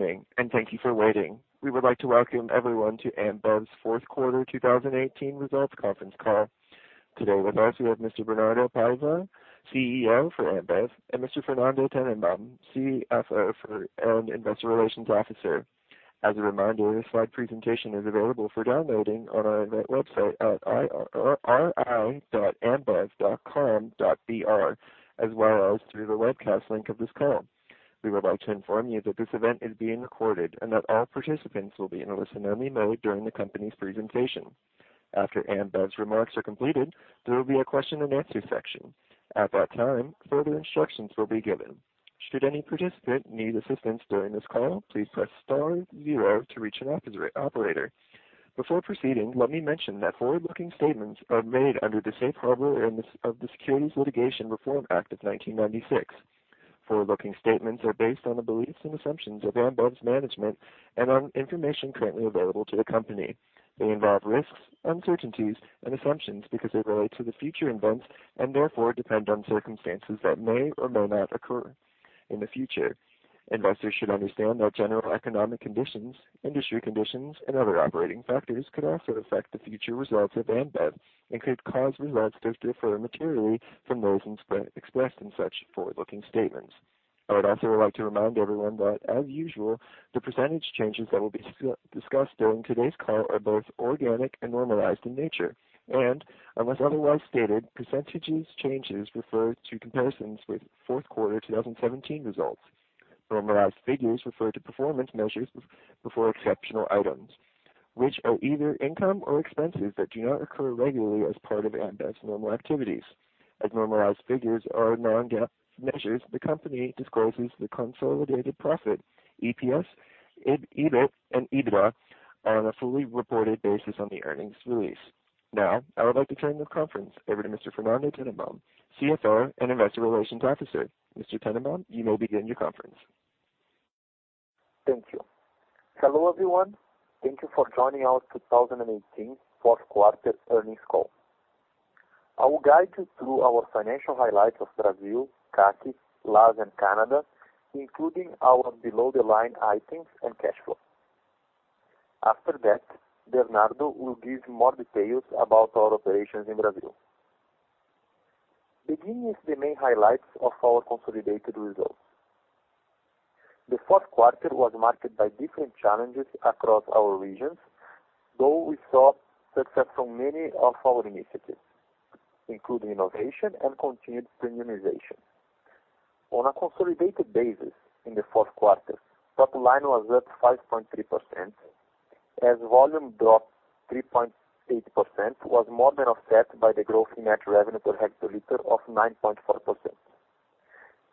Good morning, and thank you for waiting. We would like to welcome everyone to Ambev's fourth quarter 2018 results conference call. Today with us we have Mr. Bernardo Paiva, CEO for Ambev, and Mr. Fernando Tennenbaum, CFO and Investor Relations Officer. As a reminder, the slide presentation is available for downloading on our event website at ir.ambev.com.br as well as through the webcast link of this call. We would like to inform you that this event is being recorded and that all participants will be in a listen-only mode during the company's presentation. After Ambev's remarks are completed, there will be a question-and-answer section. At that time, further instructions will be given. Should any participant need assistance during this call, please press star zero to reach an operator. Before proceeding, let me mention that forward-looking statements are made under the safe harbor provisions of the Private Securities Litigation Reform Act of 1995. Forward-looking statements are based on the beliefs and assumptions of Ambev's management and on information currently available to the company. They involve risks, uncertainties and assumptions because they relate to the future events and therefore depend on circumstances that may or may not occur in the future. Investors should understand that general economic conditions, industry conditions and other operating factors could also affect the future results of Ambev and could cause results to differ materially from those expressed in such forward-looking statements. I would also like to remind everyone that, as usual, the percentage changes that will be discussed during today's call are both organic and normalized in nature. Unless otherwise stated, percentage changes refer to comparisons with fourth quarter 2017 results. Normalized figures refer to performance measures before exceptional items, which are either income or expenses that do not occur regularly as part of Ambev's normal activities. As normalized figures are non-GAAP measures, the company discloses the consolidated profit, EPS, EBIT and EBITDA on a fully reported basis on the earnings release. Now, I would like to turn the conference over to Mr. Fernando Tennenbaum, CFO and Investor Relations Officer. Mr. Tennenbaum, you may begin your conference. Thank you. Hello, everyone. Thank you for joining our 2018 fourth quarter earnings call. I will guide you through our financial highlights of Brazil, CAC, LAS and Canada, including our below-the-line items and cash flow. After that, Bernardo will give more details about our operations in Brazil. Beginning with the main highlights of our consolidated results. The fourth quarter was marked by different challenges across our regions, though we saw success from many of our initiatives, including innovation and continued premiumization. On a consolidated basis in the fourth quarter, top line was up 5.3% as volume dropped 3.8% was more than offset by the growth in net revenue per hectoliter of 9.4%.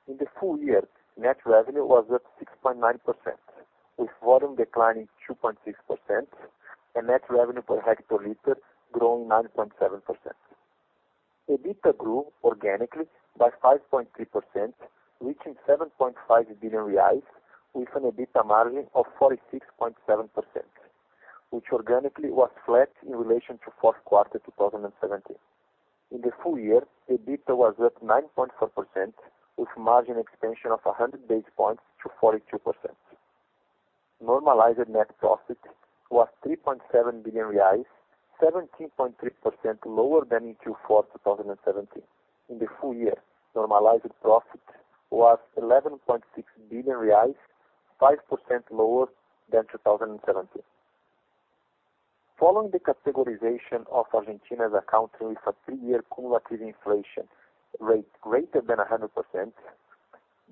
In the full year, net revenue was up 6.9%, with volume declining 2.6% and net revenue per hectoliter growing 9.7%. EBITDA grew organically by 5.3%, reaching 7.5 billion reais with an EBITDA margin of 46.7%, which organically was flat in relation to fourth quarter 2017. In the full year, EBITDA was up 9.4%, with margin expansion of a hundred basis points to 42%. Normalized net profit was 3.7 billion reais, 17.3% lower than in Q4 2017. In the full year, normalized profit was 11.6 billion reais, 5% lower than 2017. Following the categorization of Argentina's accounting with a 3-year cumulative inflation rate greater than 100%,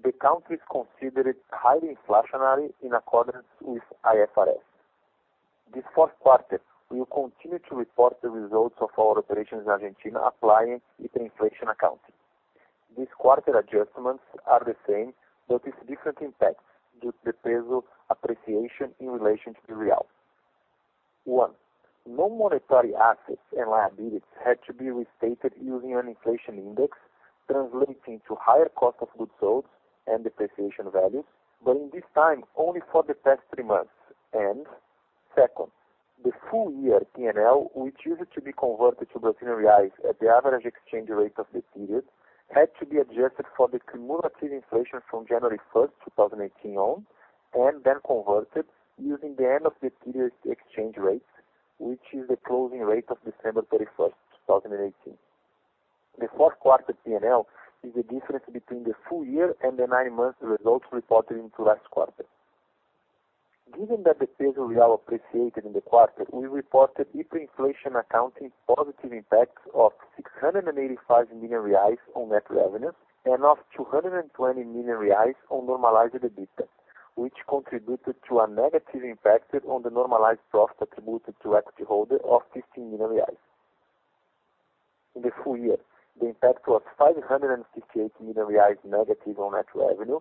the country is considered highly inflationary in accordance with IFRS. This fourth quarter, we will continue to report the results of our operations in Argentina applying hyperinflation accounting. These quarter adjustments are the same, but with different impacts due to the peso appreciation in relation to the real. One, no monetary assets and liabilities had to be restated using an inflation index translating to higher cost of goods sold and depreciation values, but in this time, only for the past three months. Second, the full year P&L, which used to be converted to Brazilian reais at the average exchange rate of the period, had to be adjusted for the cumulative inflation from January 1, 2018 on, and then converted using the end of the period exchange rate, which is the closing rate of December 31, 2018. The fourth quarter P&L is the difference between the full year and the nine months results reported in the last quarter. Given that the peso real appreciated in the quarter, we reported hyperinflation accounting positive impacts of 685 million reais on net revenues and of 220 million reais on normalized EBITDA, which contributed to a negative impact on the normalized profit attributed to equity holder of 15 million reais. In the full year, the impact was 558 million reais negative on net revenue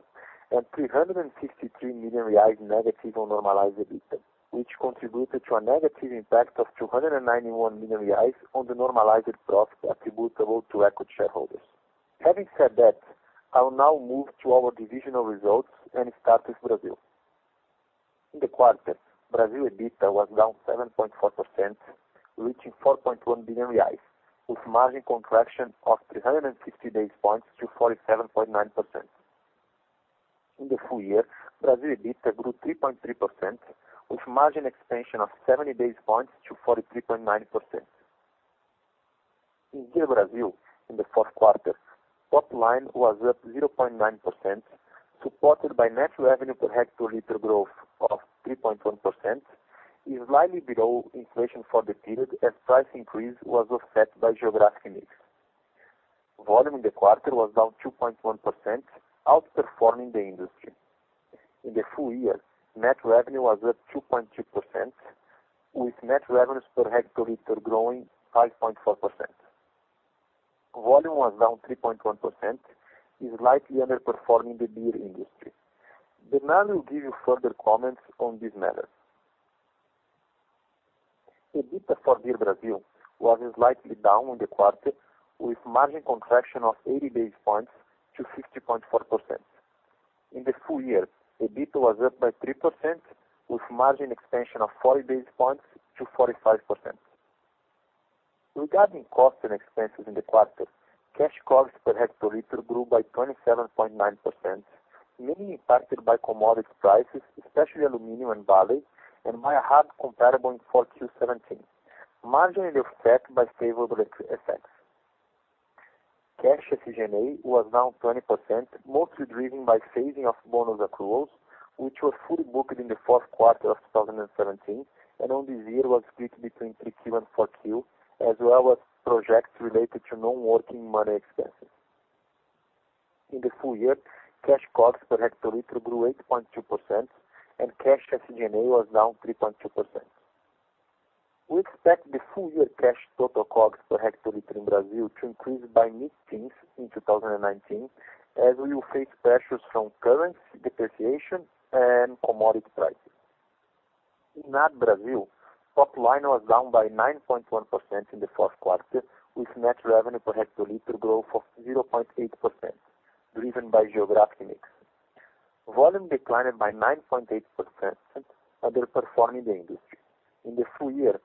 and 363 million reais negative on normalized EBITDA, which contributed to a negative impact of 291 million reais on the normalized profit attributable to equity shareholders. Having said that, I will now move to our divisional results and start with Brazil. In the quarter, Brazil EBITDA was down 7.4%, reaching 4.1 billion reais with margin contraction of 360 basis points to 47.9%. In the full year, Brazil EBITDA grew 3.3% with margin expansion of 70 basis points to 43.9%. In Beer Brazil, in the fourth quarter, top line was up 0.9%, supported by net revenue per hectoliter growth of 3.1%, which is slightly below inflation for the period as price increase was offset by geographic mix. Volume in the quarter was down 2.1%, outperforming the industry. In the full year, net revenue was up 2.2% with net revenue per hectoliter growing 5.4%. Volume was down 3.1%, slightly underperforming the beer industry. Bernardo will give you further comments on these matters. EBITDA for Beer Brazil was slightly down in the quarter with margin contraction of 80 basis points to 60.4%. In the full year, EBITDA was up by 3% with margin expansion of 40 basis points to 45%. Regarding costs and expenses in the quarter, cash costs per hectoliter grew by 27.9%, mainly impacted by commodity prices, especially aluminum and barley, and by a hard comparable in 4Q17. Margin is offset by favorable FX. Cash SG&A was down 20%, mostly driven by phasing of bonus accruals, which was fully booked in the fourth quarter of 2017 and on this year was split between 3Q and 4Q, as well as projects related to non-working money expenses. In the full year, cash costs per hectoliter grew 8.2% and cash SG&A was down 3.2%. We expect the full year cash total costs per hectoliter in Brazil to increase by mid-teens in 2019 as we will face pressures from currency depreciation and commodity prices. In AB Brazil, top line was down by 9.1% in the fourth quarter with net revenue per hectoliter growth of 0.8% driven by geographic mix. Volume declined by 9.8%, underperforming the industry. In the full year,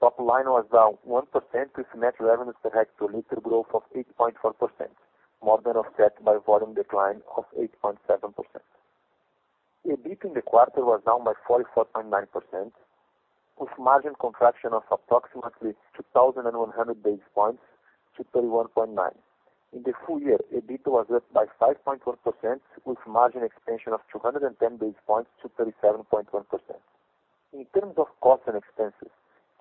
top line was down 1% with net revenue per hectoliter growth of 8.4%, more than offset by volume decline of 8.7%. EBITDA in the quarter was down by 44.9% with margin contraction of approximately 2,100 basis points to 31.9%. In the full year, EBITDA was up by 5.1% with margin expansion of 210 basis points to 37.1%. In terms of costs and expenses,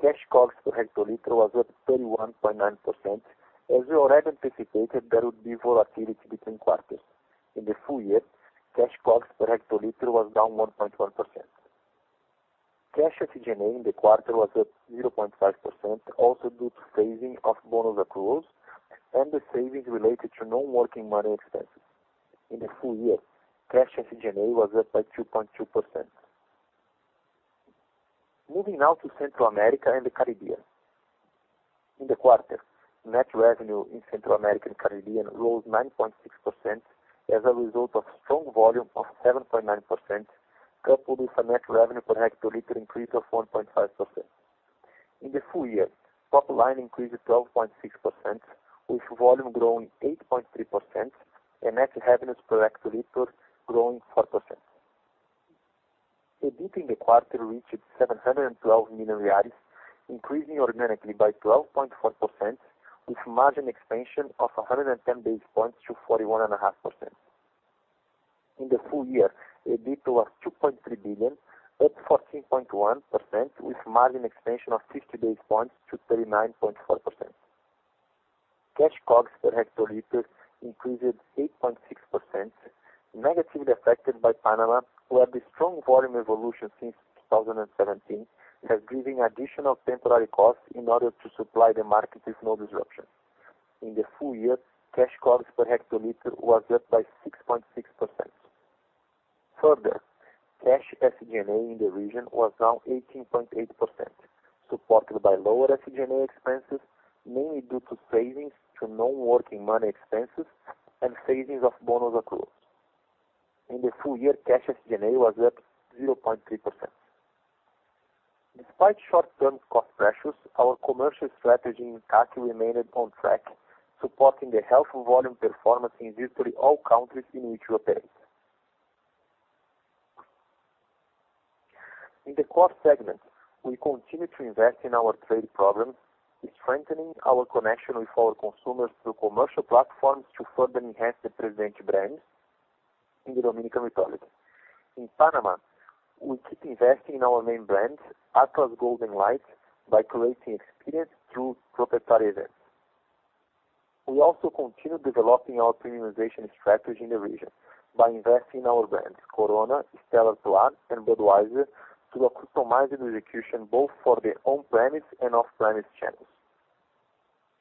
cash costs per hectoliter was up 31.9%. As we already anticipated, there would be volatility between quarters. In the full year, cash costs per hectoliter was down 1.1%. Cash SG&A in the quarter was up 0.5% also due to phasing of bonus accruals and the savings related to non-working money expenses. In the full year, cash SG&A was up by 2.2%. Moving now to Central America and the Caribbean. In the quarter, net revenue in Central America and Caribbean rose 9.6% as a result of strong volume of 7.9% coupled with a net revenue per hectoliter increase of 1.5%. In the full year, top line increased 12.6% with volume growing 8.3% and net revenues per hectoliter growing 4%. EBITDA in the quarter reached 712 million reais, increasing organically by 12.4% with margin expansion of 110 basis points to 41.5%. In the full year, EBITDA was 2.3 billion, up 14.1% with margin expansion of 50 basis points to 39.4%. Cash costs per hectoliter increased 8.6%, negatively affected by Panama, where the strong volume evolution since 2017 has driven additional temporary costs in order to supply the market with no disruption. In the full year, cash costs per hectoliter was up by 6.6%. Further, cash SG&A in the region was down 18.8%, supported by lower SG&A expenses, mainly due to savings to non-working marketing expenses and savings of bonus accruals. In the full year, cash SG&A was up 0.3%. Despite short-term cost pressures, our commercial strategy in CAC remained on track, supporting the health volume performance in virtually all countries in which we operate. In the core segment, we continue to invest in our trade programs, strengthening our connection with our consumers through commercial platforms to further enhance the Presidente brand in the Dominican Republic. In Panama, we keep investing in our main brands, Atlas Golden Light, by creating experiences through proprietary events. We also continue developing our premiumization strategy in the region by investing in our brands, Corona, Stella Artois, and Budweiser, through a customized execution both for the on-premise and off-premise channels.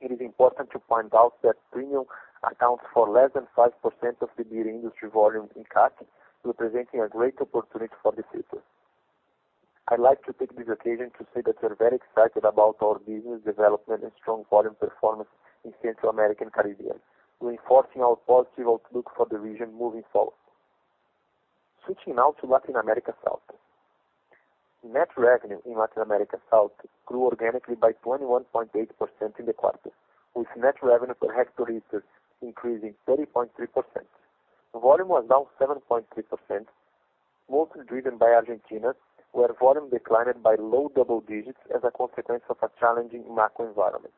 It is important to point out that premium accounts for less than 5% of the beer industry volume in CAC, representing a great opportunity for the future. I'd like to take this occasion to say that we're very excited about our business development and strong volume performance in Central America and Caribbean, reinforcing our positive outlook for the region moving forward. Switching now to Latin America South. Net revenue in Latin America South grew organically by 21.8% in the quarter, with net revenue per hectoliter increasing 30.3%. Volume was down 7.3%, mostly driven by Argentina, where volume declined by low double digits as a consequence of a challenging macro environment.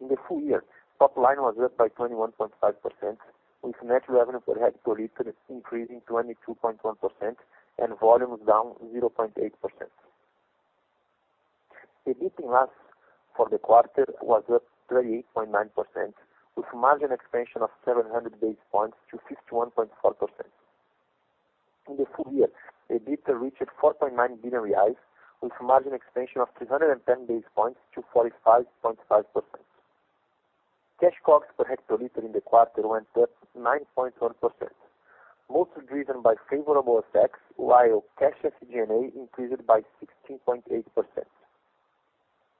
In the full year, top line was up by 21.5%, with net revenue per hectoliter increasing 22.1% and volume was down 0.8%. EBITDA for the quarter was up 38.9% with margin expansion of 700 basis points to 61.4%. In the full year, the EBITDA reached 4.9 billion reais with margin expansion of 310 basis points to 45.5%. Cash COGS per hectoliter in the quarter went up 9.1%, mostly driven by favorable effects, while cash FCNA increased by 16.8%.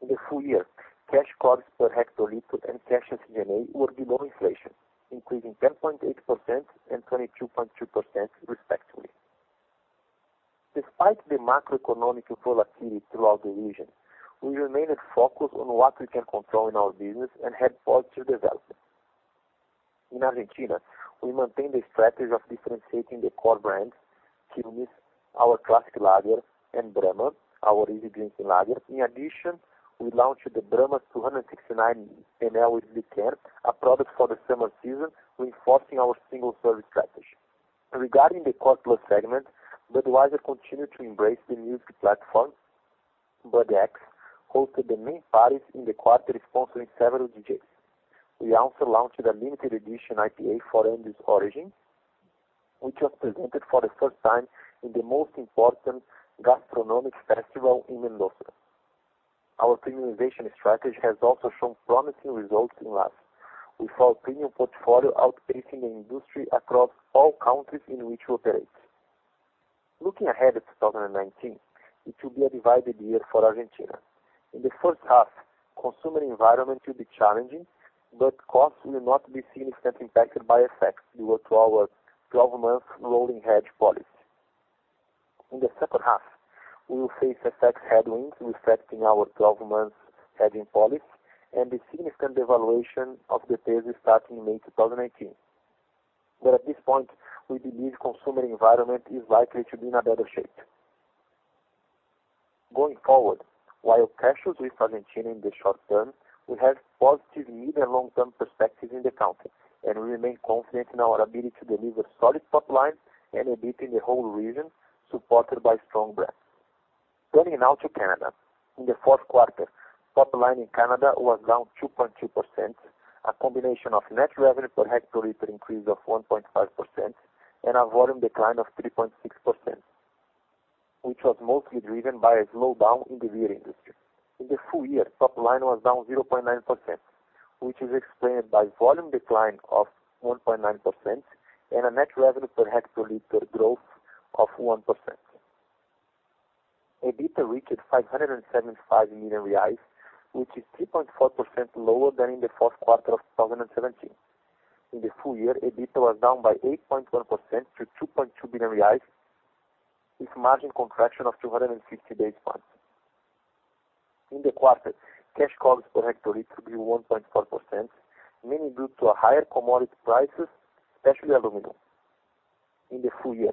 In the full year, cash COGS per hectoliter and cash FCNA were below inflation, increasing 10.8% and 22.2% respectively. Despite the macroeconomic volatility throughout the region, we remained focused on what we can control in our business and had positive development. In Argentina, we maintained the strategy of differentiating the core brands Quilmes, our classic lager, and Brahma, our easy drinking lager. In addition, we launched the Brahma 269 ml easy can, a product for the summer season, reinforcing our single serve strategy. Regarding the core plus segment, Budweiser continued to embrace the music platform. BUDX hosted the main parties in the quarter, sponsoring several DJs. We also launched a limited edition IPA from this origin, which was presented for the first time in the most important gastronomic festival in Mendoza. Our premiumization strategy has also shown promising results in LAS with our premium portfolio outpacing the industry across all countries in which we operate. Looking ahead at 2019, it will be a divided year for Argentina. In the first half, consumer environment will be challenging, but costs will not be significantly impacted by effects due to our 12-month rolling hedge policy. In the second half, we will face FX headwinds resetting our 12-month hedging policy and the significant devaluation of the peso starting in May 2019. At this point, we believe consumer environment is likely to be in a better shape. Going forward, while cautious with Argentina in the short term, we have positive medium- to long-term perspective in the country and remain confident in our ability to deliver solid top line and EBITDA in the whole region, supported by strong brands. Turning now to Canada. In the fourth quarter, top line in Canada was down 2.2%, a combination of net revenue per hectoliter increase of 1.5% and a volume decline of 3.6%, which was mostly driven by a slowdown in the beer industry. In the full year, top line was down 0.9%, which is explained by volume decline of 1.9% and a net revenue per hectoliter growth of 1%. EBITDA reached 575 million reais, which is 3.4% lower than in the fourth quarter of 2017. In the full year, EBITDA was down by 8.1% to 2.2 billion reais with margin contraction of 260 basis points. In the quarter, cash COGS per hectoliter grew 1.4%, mainly due to higher commodity prices, especially aluminum. In the full year,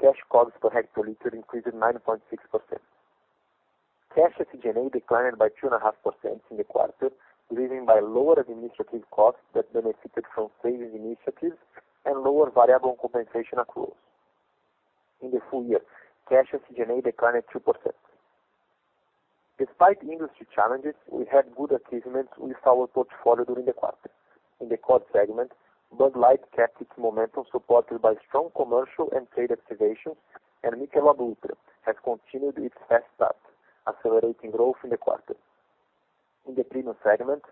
cash COGS per hectoliter increased 9.6%. Cash FCNA declined by 2.5% in the quarter, driven by lower administrative costs that benefited from savings initiatives and lower variable compensation accruals. In the full year, cash FCNA declined 2%. Despite industry challenges, we had good achievements with our portfolio during the quarter. In the core segment, Bud Light kept its momentum, supported by strong commercial and trade activations, and Michelob Ultra has continued its fast start, accelerating growth in the quarter. In the premium segment,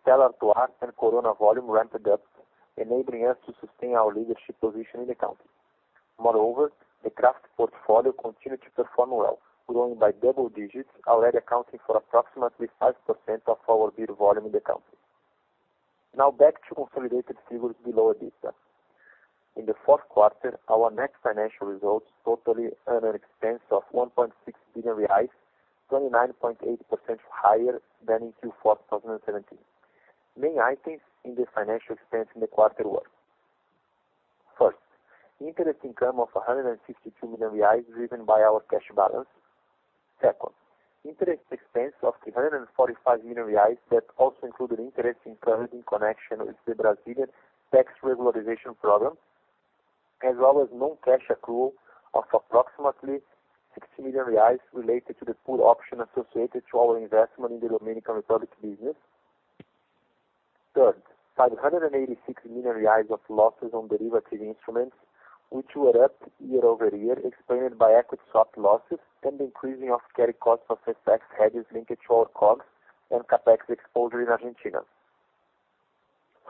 Stella Artois and Corona volume ramped up, enabling us to sustain our leadership position in the country. Moreover, the craft portfolio continued to perform well, growing by double digits, already accounting for approximately 5% of our beer volume in the country. Now back to consolidated figures below EBITDA. In the fourth quarter, our net financial result totaled an expense of 1.6 billion reais, 29.8% higher than in Q4 2017. Main items in the financial expense in the quarter were, first, interest income of 162 million reais driven by our cash balance. Second, interest expense of 345 million reais that also included interest income in connection with the Brazilian tax regularization program, as well as non-cash accrual of approximately 60 million reais related to the put option associated to our investment in the Dominican Republic business. Third, 586 million reais of losses on derivative instruments, which were up year-over-year, explained by equity swap losses and the increasing of carry cost of FX hedges linked to our COGS and CapEx exposure in Argentina.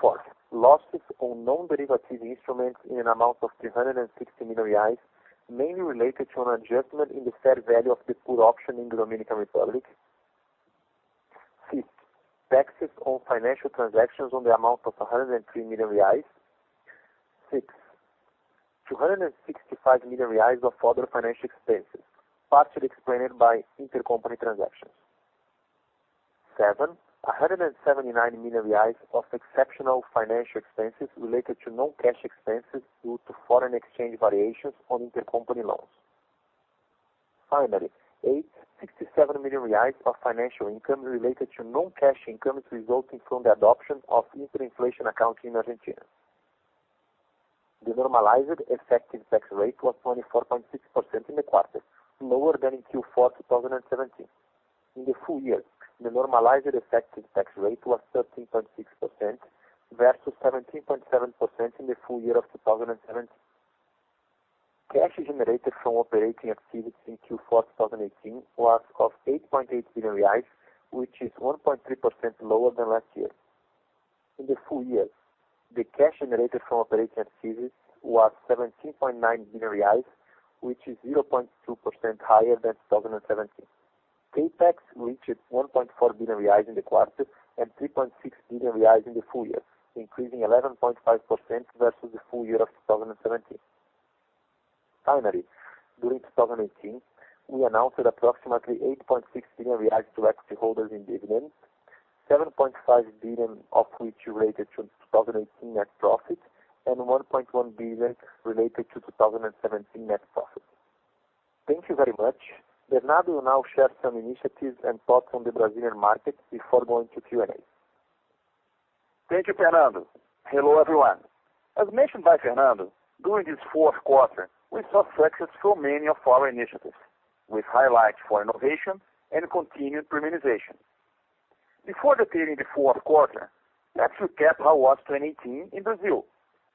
Fourth, losses on non-derivative instruments in an amount of 360 million reais, mainly related to an adjustment in the fair value of the put option in the Dominican Republic. Fifth, taxes on financial transactions on the amount of 103 million reais. Six, 265 million reais of other financial expenses, partially explained by intercompany transactions. Seven, 179 million reais of exceptional financial expenses related to non-cash expenses due to foreign exchange variations on intercompany loans. Finally, eight, 67 million reais of financial income related to non-cash incomes resulting from the adoption of hyperinflation accounts in Argentina. The normalized effective tax rate was 24.6% in the quarter, lower than in Q4 2017. In the full year, the normalized effective tax rate was 13.6% versus 17.7% in the full year of 2017. Cash generated from operating activities in Q4 2018 was 8.8 billion reais, which is 1.3% lower than last year. In the full year, the cash generated from operating activities was 17.9 billion reais, which is 0.2% higher than 2017. CapEx reached 1.4 billion reais in the quarter and 3.6 billion reais in the full year, increasing 11.5% versus the full year of 2017. Finally, during 2018, we announced approximately 8.6 billion reais to equity holders in dividends, 7.5 billion of which related to 2018 net profit, and 1.1 billion related to 2017 net profit. Thank you very much. Bernardo will now share some initiatives and thoughts on the Brazilian market before going to Q&A. Thank you, Fernando. Hello, everyone. As mentioned by Fernando, during this fourth quarter, we saw success from many of our initiatives, with highlights for innovation and continued premiumization. Before detailing the fourth quarter, let's recap how was 2018 in Brazil,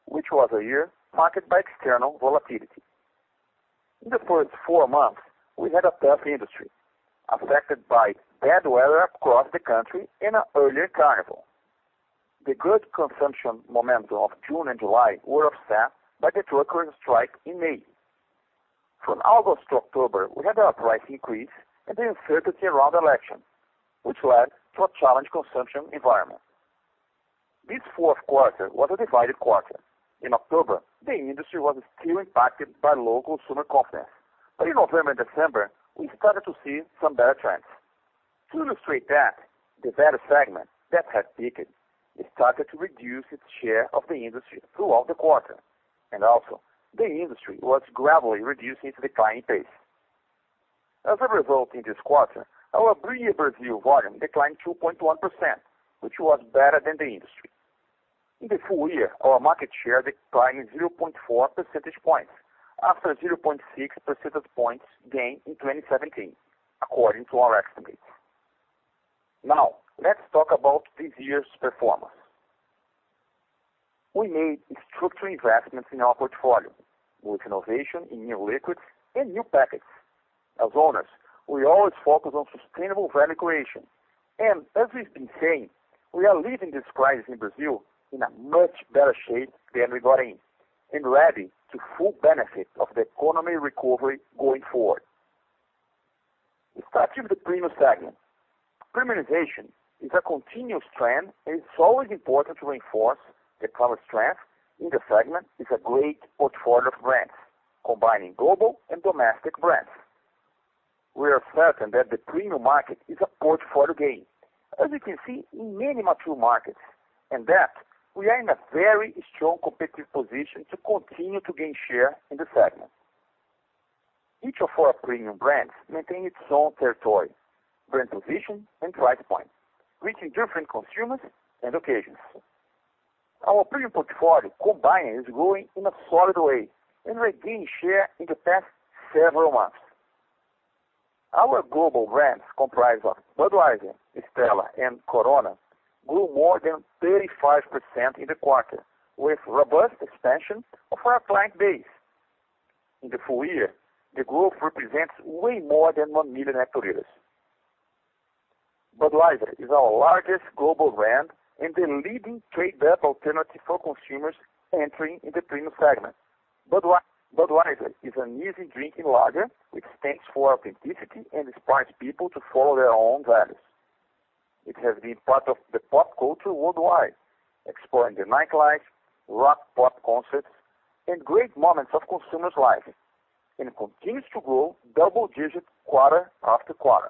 which was a year marked by external volatility. In the first four months, we had a tough industry affected by bad weather across the country in an earlier carnival. The good consumption momentum of June and July were offset by the trucker strike in May. From August to October, we had a price increase and the uncertainty around election, which led to a challenged consumption environment. This fourth quarter was a divided quarter. In October, the industry was still impacted by low consumer confidence. In November and December, we started to see some better trends. To illustrate that, the better segment that had peaked, it started to reduce its share of the industry throughout the quarter, and also the industry was gradually reducing its declining pace. As a result, in this quarter, our Ambev Brazil volume declined 2.1%, which was better than the industry. In the full year, our market share declined 0.4 percentage points after 0.6 percentage points gain in 2017 according to our estimates. Now, let's talk about this year's performance. We made structural investments in our portfolio with innovation in new liquids and new packages. As owners, we always focus on sustainable value creation. As we've been saying, we are leaving this crisis in Brazil in a much better shape than we got in and ready to fully benefit from the economic recovery going forward. Starting with the premium segment. Premiumization is a continuous trend, and it's always important to reinforce that our strength in the segment is a great portfolio of brands, combining global and domestic brands. We are certain that the premium market is a portfolio gain, as you can see in many mature markets, and that we are in a very strong competitive position to continue to gain share in the segment. Each of our premium brands maintain its own territory, brand position and price point, reaching different consumers and occasions. Our premium portfolio combined is growing in a solid way and is gaining share in the past several months. Our global brands comprise of Budweiser, Stella, and Corona grew more than 35% in the quarter, with robust expansion of our client base. In the full year, the growth represents way more than 1 million hectoliters. Budweiser is our largest global brand and the leading trade up alternative for consumers entering in the premium segment. Budweiser is an easy drinking lager which stands for authenticity and inspires people to follow their own values. It has been part of the pop culture worldwide, exploring the nightlife, rock, pop concerts, and great moments of consumers' lives, and it continues to grow double-digit quarter after quarter.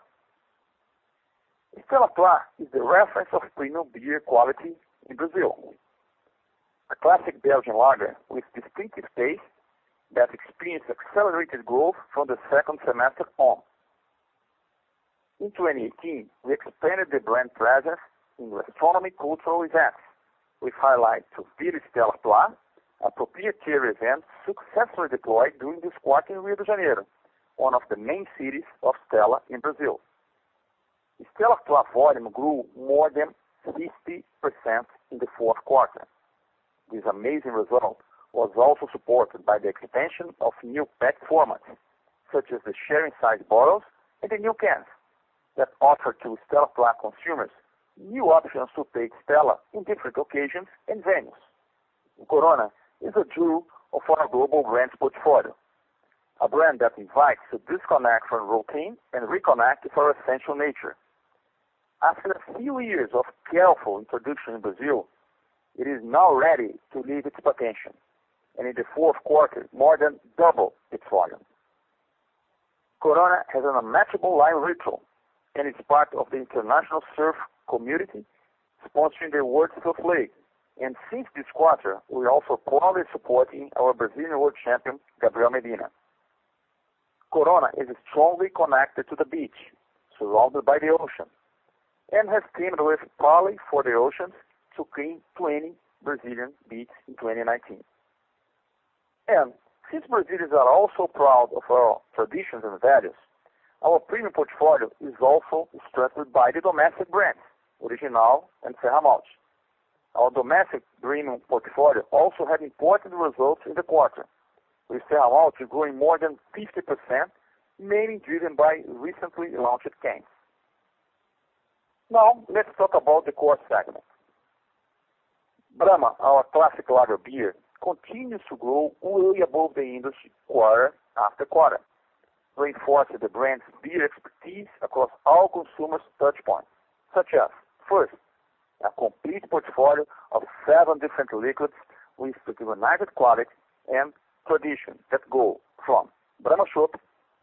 Stella Artois is the reference of premium beer quality in Brazil. A classic Belgian lager with distinctive taste that experienced accelerated growth from the second semester on. In 2018, we expanded the brand presence in gastronomic and cultural events, with highlights of Bar Stella Artois, a proprietary event successfully deployed during this quarter in Rio de Janeiro, one of the main cities for Stella in Brazil. Stella Artois volume grew more than 50% in the fourth quarter. This amazing result was also supported by the expansion of new pack formats, such as the sharing size bottles and the new cans that offer to Stella Black consumers new options to take Stella in different occasions and venues. Corona is a jewel of our global brands portfolio, a brand that invites to disconnect from routine and reconnect with our essential nature. After a few years of careful introduction in Brazil, it is now ready to leave its potential, and in the fourth quarter, more than double its volume. Corona has an unmatchable live ritual, and it's part of the International Surf Community sponsoring the World Surf League. Since this quarter, we're also proudly supporting our Brazilian world champion, Gabriel Medina. Corona is strongly connected to the beach, surrounded by the ocean, and has teamed with Parley for the Oceans to clean 20 Brazilian beaches in 2019. Since Brazilians are also proud of our traditions and values, our premium portfolio is also structured by the domestic brands, Original and Serra Malte. Our domestic premium portfolio also had important results in the quarter, with Serra Malte growing more than 50%, mainly driven by recently launched cans. Now, let's talk about the core segment. Brahma, our classic lager beer, continues to grow way above the industry quarter after quarter, reinforcing the brand's beer expertise across all consumers touch points, such as, first, a complete portfolio of seven different liquids with united quality and tradition that go from Brahma Chopp,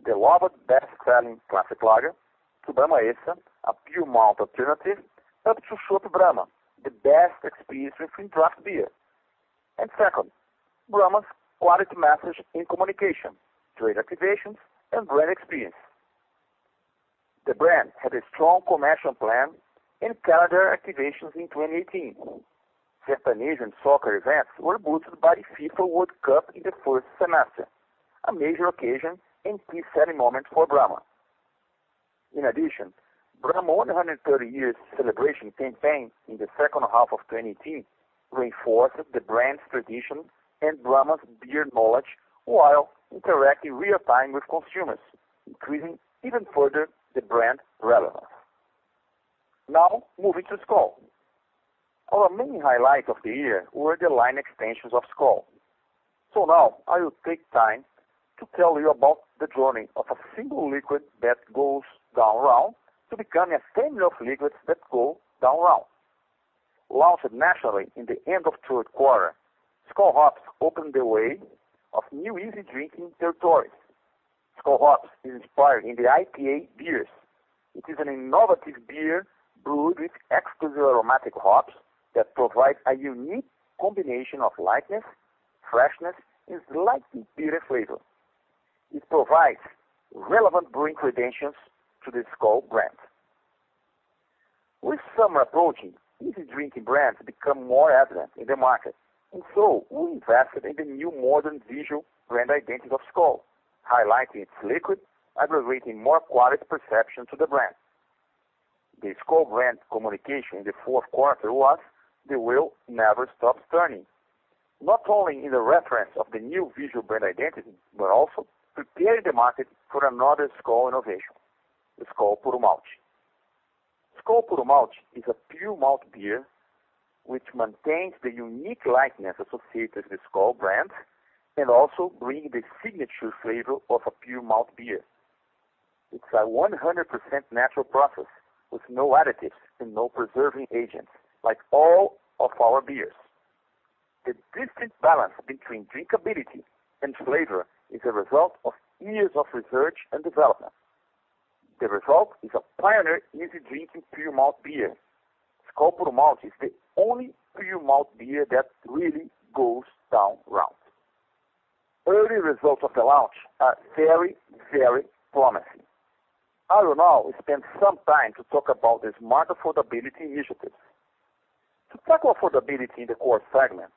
the loved best-selling classic lager, to Brahma Extra, a pure malt alternative, up to Chopp Brahma, the best experience with draft beer. Second, Brahma's quality message in communication through activations and brand experience. The brand had a strong commercial plan and calendar activations in 2018. Japanese and soccer events were boosted by FIFA World Cup in the first semester, a major occasion and key selling moment for Brahma. In addition, Brahma 130 years celebration campaign in the second half of 2018 reinforced the brand's tradition and Brahma's beer knowledge, while interacting real-time with consumers, increasing even further the brand relevance. Now moving to Skol. Our main highlight of the year were the line extensions of Skol. Now I will take time to tell you about the journey of a single liquid that goes down well to becoming a family of liquids that go down well. Launched nationally in the end of third quarter, Skol Hops opened the way to new easy drinking territories. Skol Hops is inspired by the IPA beers. It is an innovative beer brewed with exclusive aromatic hops that provide a unique combination of lightness, freshness, and slightly bitter flavor. It provides relevant drink credentials to the Skol brand. With summer approaching, easy drinking brands become more evident in the market, and so we invested in the new modern visual brand identity of Skol, highlighting its liquid, aggregating more quality perception to the brand. The Skol brand communication in the fourth quarter was, "The wheel never stops turning," not only in the reference of the new visual brand identity, but also preparing the market for another Skol innovation, the Skol Puro Malte. Skol Puro Malte is a pure malt beer which maintains the unique lightness associated with Skol brand and also bring the signature flavor of a pure malt beer. It's a 100% natural process with no additives and no preserving agents, like all of our beers. The distinct balance between drinkability and flavor is a result of years of research and development. The result is a pioneer easy drinking pure malt beer. Skol Puro Malte is the only pure malt beer that really goes down round. Early results of the launch are very, very promising. I will now spend some time to talk about the smart affordability initiatives. To tackle affordability in the core segment,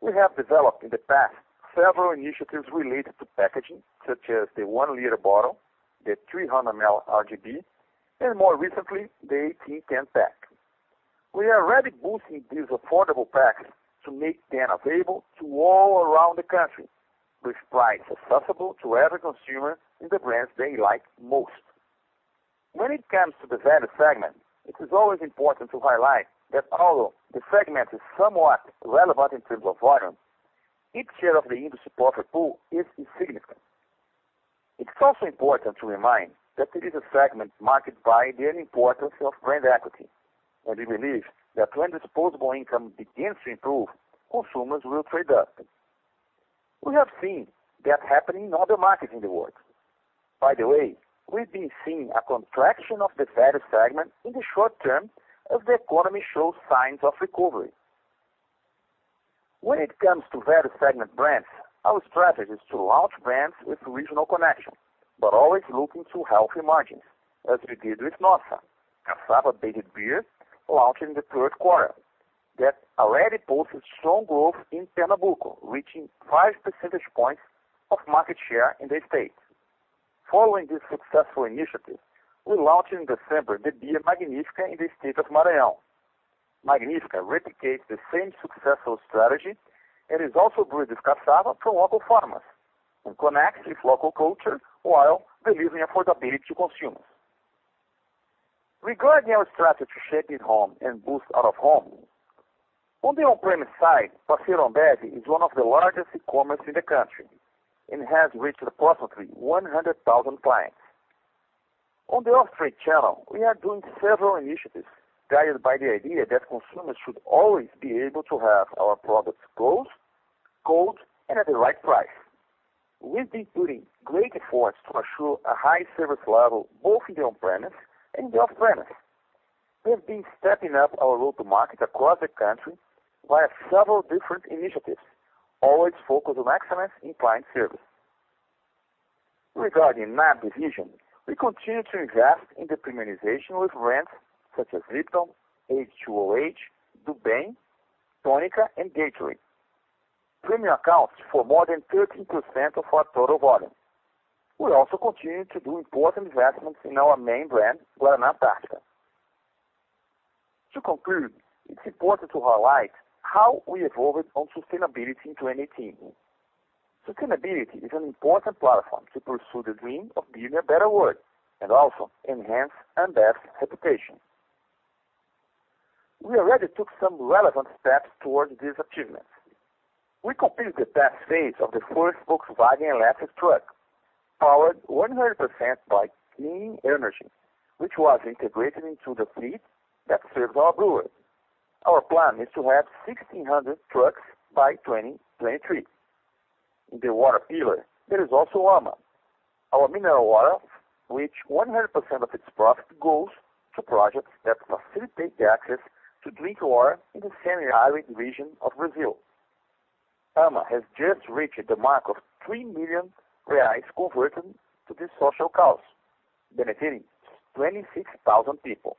we have developed in the past several initiatives related to packaging, such as the 1-liter bottle, the 300 ml RGB, and more recently, the 18-can pack. We are already boosting these affordable packs to make them available to all around the country, with price accessible to every consumer in the brands they like most. When it comes to the value segment, it is always important to highlight that although the segment is somewhat relevant in terms of volume, its share of the industry profit pool is insignificant. It's also important to remind that it is a segment marked by the unimportance of brand equity, and we believe that when disposable income begins to improve, consumers will trade up. We have seen that happening in other markets in the world. By the way, we've been seeing a contraction of the value segment in the short term as the economy shows signs of recovery. When it comes to value segment brands, our strategy is to launch brands with regional connection, but always looking to healthy margins, as we did with Nossa, cassava-based beer launched in the third quarter that already posted strong growth in Pernambuco, reaching five percentage points of market share in the state. Following this successful initiative, we launched in December the beer Magnífica in the state of Maranhão. Magnífica replicates the same successful strategy and is also brewed with cassava from local farmers and connects with local culture while delivering affordability to consumers. Regarding our strategy to shape at home and boost out of home, on the on-premise side, Passinho on Bez is one of the largest e-commerce in the country and has reached approximately 100,000 clients. On the off-trade channel, we are doing several initiatives guided by the idea that consumers should always be able to have our products close, cold, and at the right price. We've been putting great efforts to assure a high service level both in the on-premise and the off-premise. We have been stepping up our go-to-market across the country via several different initiatives, always focused on excellence in client service. Regarding my division, we continue to invest in the premiumization with brands such as Lipton, H2OH, Do Bem, Tônica, and Gatorade. Premium accounts for more than 13% of our total volume. We also continue to do important investments in our main brand, Guaraná Antarctica. To conclude, it's important to highlight how we evolved on sustainability in 2018. Sustainability is an important platform to pursue the dream of building a better world and also enhance Ambev's reputation. We already took some relevant steps towards these achievements. We completed the test phase of the first Volkswagen electric truck, powered 100% by clean energy, which was integrated into the fleet that serves our brewery. Our plan is to have 1,600 trucks by 2023. In the water pillar, there is also AMA, our mineral water, which 100% of its profit goes to projects that facilitate the access to drinking water in the semi-arid region of Brazil. AMA has just reached the mark of 3 million reais converted to this social cause, benefiting 26,000 people.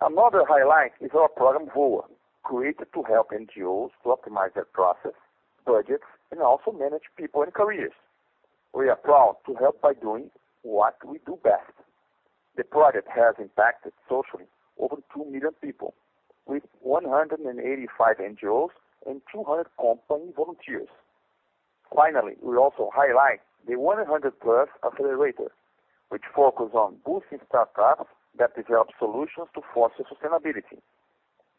Another highlight is our program, VOA, created to help NGOs to optimize their processes, budgets, and also manage people and careers. We are proud to help by doing what we do best. The project has impacted socially over 2 million people with 185 NGOs and 200 company volunteers. Finally, we also highlight the 100+ Accelerator, which focus on boosting startups that develop solutions to foster sustainability.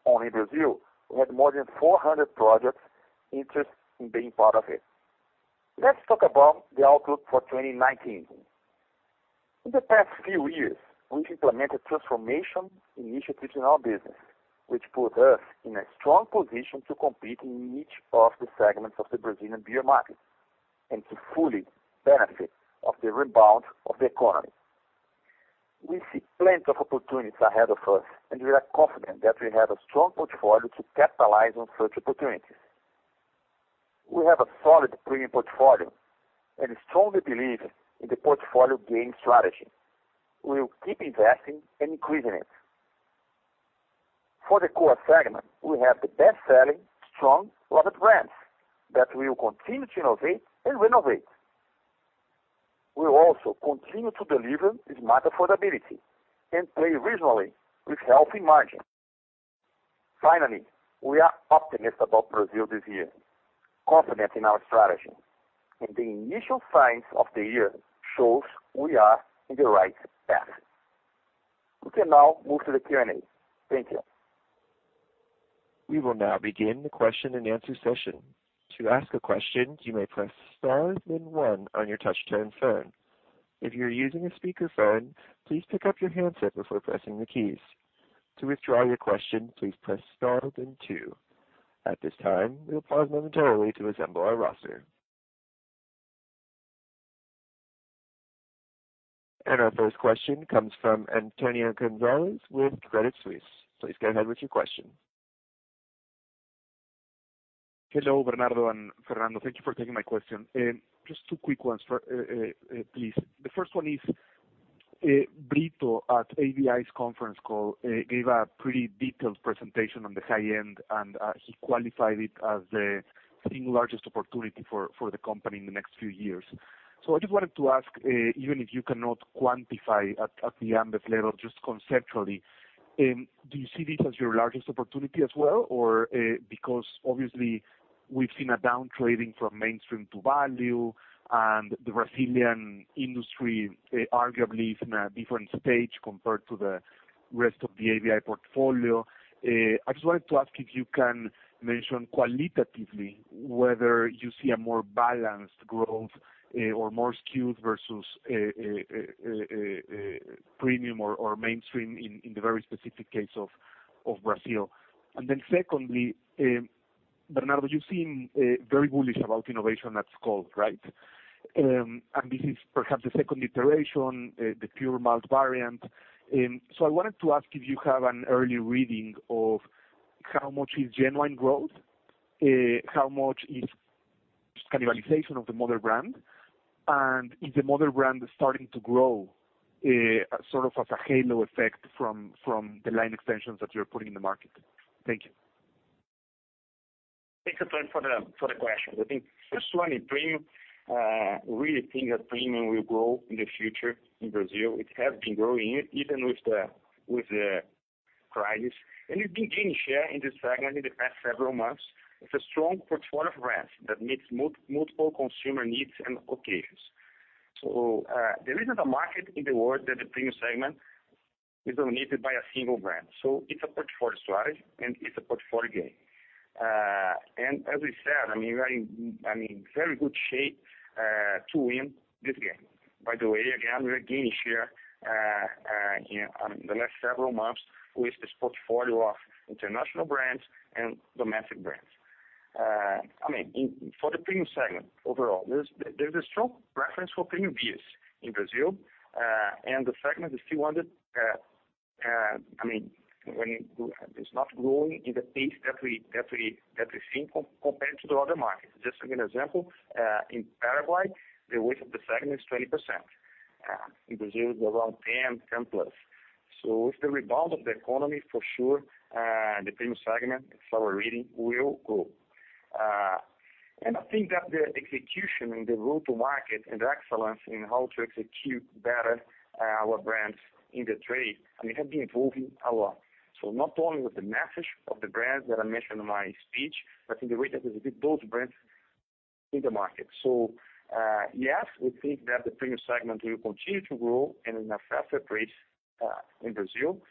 Only in Brazil, we had more than 400 projects interested in being part of it. Let's talk about the outlook for 2019. In the past few years, we've implemented transformation initiatives in our business, which put us in a strong position to compete in each of the segments of the Brazilian beer market and to fully benefit from the rebound of the economy. We see plenty of opportunities ahead of us, and we are confident that we have a strong portfolio to capitalize on such opportunities. We have a solid premium portfolio and strongly believe in the portfolio gain strategy. We will keep investing and increasing it. For the core segment, we have the best-selling, strong, loved brands that we will continue to innovate and renovate. We will also continue to deliver smart affordability and play regionally with healthy margin. Finally, we are optimistic about Brazil this year, confident in our strategy. The initial signs of the year show we are in the right path. We can now move to the Q&A. Thank you. We will now begin the question-and-answer session. To ask a question, you may press star then one on your touchtone phone. If you're using a speakerphone, please pick up your handset before pressing the keys. To withdraw your question, please press star then two. At this time, we'll pause momentarily to assemble our roster. Our first question comes from Antonio Gonzalez with Credit Suisse. Please go ahead with your question. Hello, Bernardo and Fernando. Thank you for taking my question. Just two quick ones, please. The first one is, Brito at ABI's conference call, gave a pretty detailed presentation on the high end, and, he qualified it as the single largest opportunity for the company in the next few years. I just wanted to ask, even if you cannot quantify at the Ambev level, just conceptually, do you see this as your largest opportunity as well? Or, because obviously we've seen a down trading from mainstream to value and the Brazilian industry, arguably is in a different stage compared to the rest of the ABI portfolio. I just wanted to ask if you can mention qualitatively whether you see a more balanced growth, or more skewed versus premium or mainstream in the very specific case of Brazil. Secondly, Bernardo, you seem very bullish about innovation at Skol, right? This is perhaps the second iteration, the pure malt variant. I wanted to ask if you have an early reading of how much is genuine growth, how much is cannibalization of the mother brand, and is the mother brand starting to grow, sort of as a halo effect from the line extensions that you are putting in the market? Thank you. Thanks, Antonio, for the question. I think just one in premium, we really think that premium will grow in the future in Brazil. It has been growing even with the crisis, and we've been gaining share in this segment in the past several months. It's a strong portfolio brand that meets multiple consumer needs and occasions. There isn't a market in the world that the premium segment is dominated by a single brand. It's a portfolio strategy, and it's a portfolio game. As we said, I mean, we're in, I mean, very good shape to win this game. By the way, again, we are gaining share in the last several months with this portfolio of international brands and domestic brands. I mean, for the premium segment overall, there's a strong preference for premium beers in Brazil. The segment is still not growing at the pace that we've seen compared to the other markets. Just to give an example, in Paraguay, the weight of the segment is 20%. In Brazil, it's around 10 plus. With the rebound of the economy, for sure, the premium segment, as far as we're reading, will grow. I think that the execution and the go-to-market and excellence in how to execute better our brands in the trade, I mean, have been evolving a lot. Not only with the message of the brands that I mentioned in my speech, but in the way that we build those brands in the market. Yes, we think that the premium segment will continue to grow and in a faster pace in Brazil.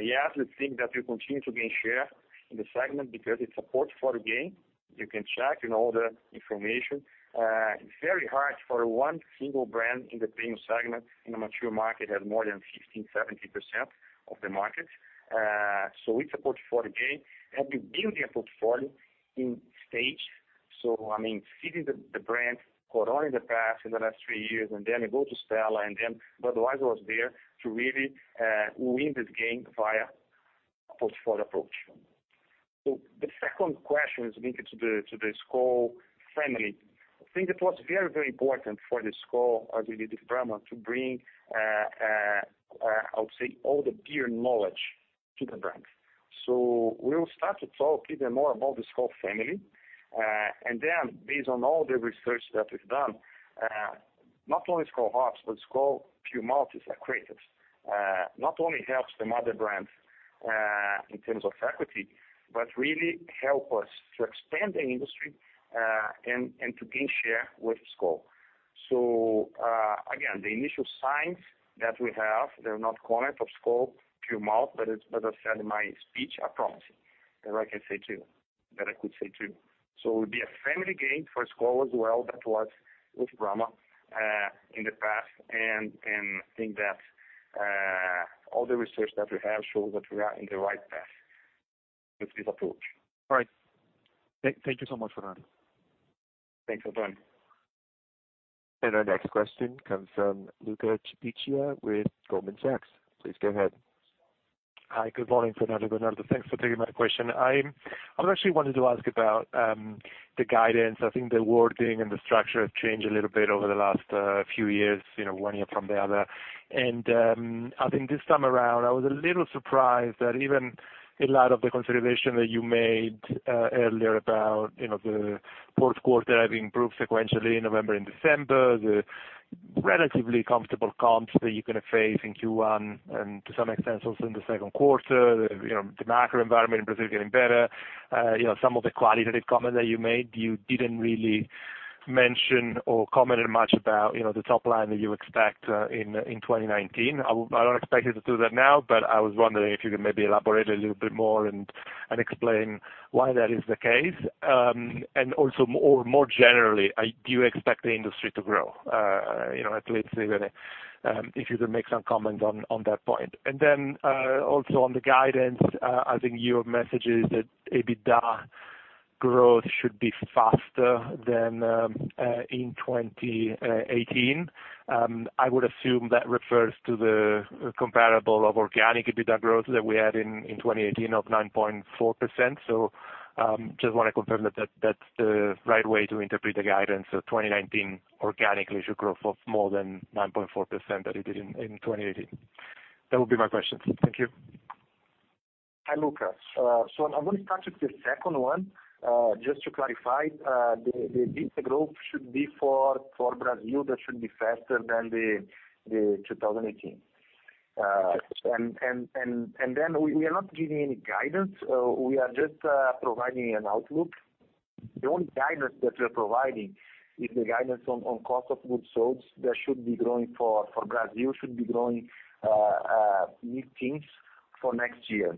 Yes, we think that we continue to gain share in the segment because it's a portfolio game. You can check in all the information. It's very hard for one single brand in the premium segment in a mature market to have more than 15-17% of the market. So it's a portfolio game, and we're building a portfolio in stages. I mean, seeing the brand Corona in the past, in the last three years, and then we go to Stella and then Budweiser was there to really win this game via a portfolio approach. The second question is linked to the Skol family. I think it was very, very important for the Skol, or really the Brahma, to bring, I would say, all the beer knowledge to the brand. We'll start to talk even more about the Skol family. Then based on all the research that we've done, not only Skol Hops, but Skol Puro Malte is like creatives. Not only helps the mother brand, in terms of equity, but really help us to expand the industry, and to gain share with Skol. Again, the initial signs that we have, they're encouraging for Skol Puro Malte, but as I said in my speech, are promising. That's what I can say to you that I could say to you. It would be a family game for Skol as well that was with Brahma, in the past. I think that all the research that we have shows that we are in the right path with this approach. All right. Thank you so much, Fernando. Thanks, Antoine. Our next question comes from Luca Cipiccia with Goldman Sachs. Please go ahead. Hi. Good morning, Fernando Tennenbaum, Bernardo Paiva. Thanks for taking my question. I actually wanted to ask about the guidance. I think the wording and the structure have changed a little bit over the last few years, you know, one year from the other. I think this time around, I was a little surprised that even a lot of the consideration that you made earlier about, you know, the fourth quarter having improved sequentially in November and December, the relatively comfortable comps that you're gonna face in Q1, and to some extent also in the second quarter, you know, the macro environment in Brazil getting better, you know, some of the qualitative comments that you made, you didn't really mention or commented much about, you know, the top line that you expect in 2019. I don't expect you to do that now, but I was wondering if you could maybe elaborate a little bit more and explain why that is the case. Also more generally, do you expect the industry to grow? You know, at least even, if you could make some comments on that point. Also on the guidance, I think your message is that EBITDA growth should be faster than in 2018. I would assume that refers to the comparable of organic EBITDA growth that we had in 2018 of 9.4%. Just wanna confirm that that's the right way to interpret the guidance. 2019 organically should grow for more than 9.4% that it did in 2018. That would be my questions. Thank you. Hi, Luca. I'm gonna start with the second one. Just to clarify, the EBITDA growth should be for Brazil. That should be faster than 2018. We are not giving any guidance. We are just providing an outlook. The only guidance that we're providing is the guidance on cost of goods sold. That should be growing for Brazil, should be growing mid-teens% for next year.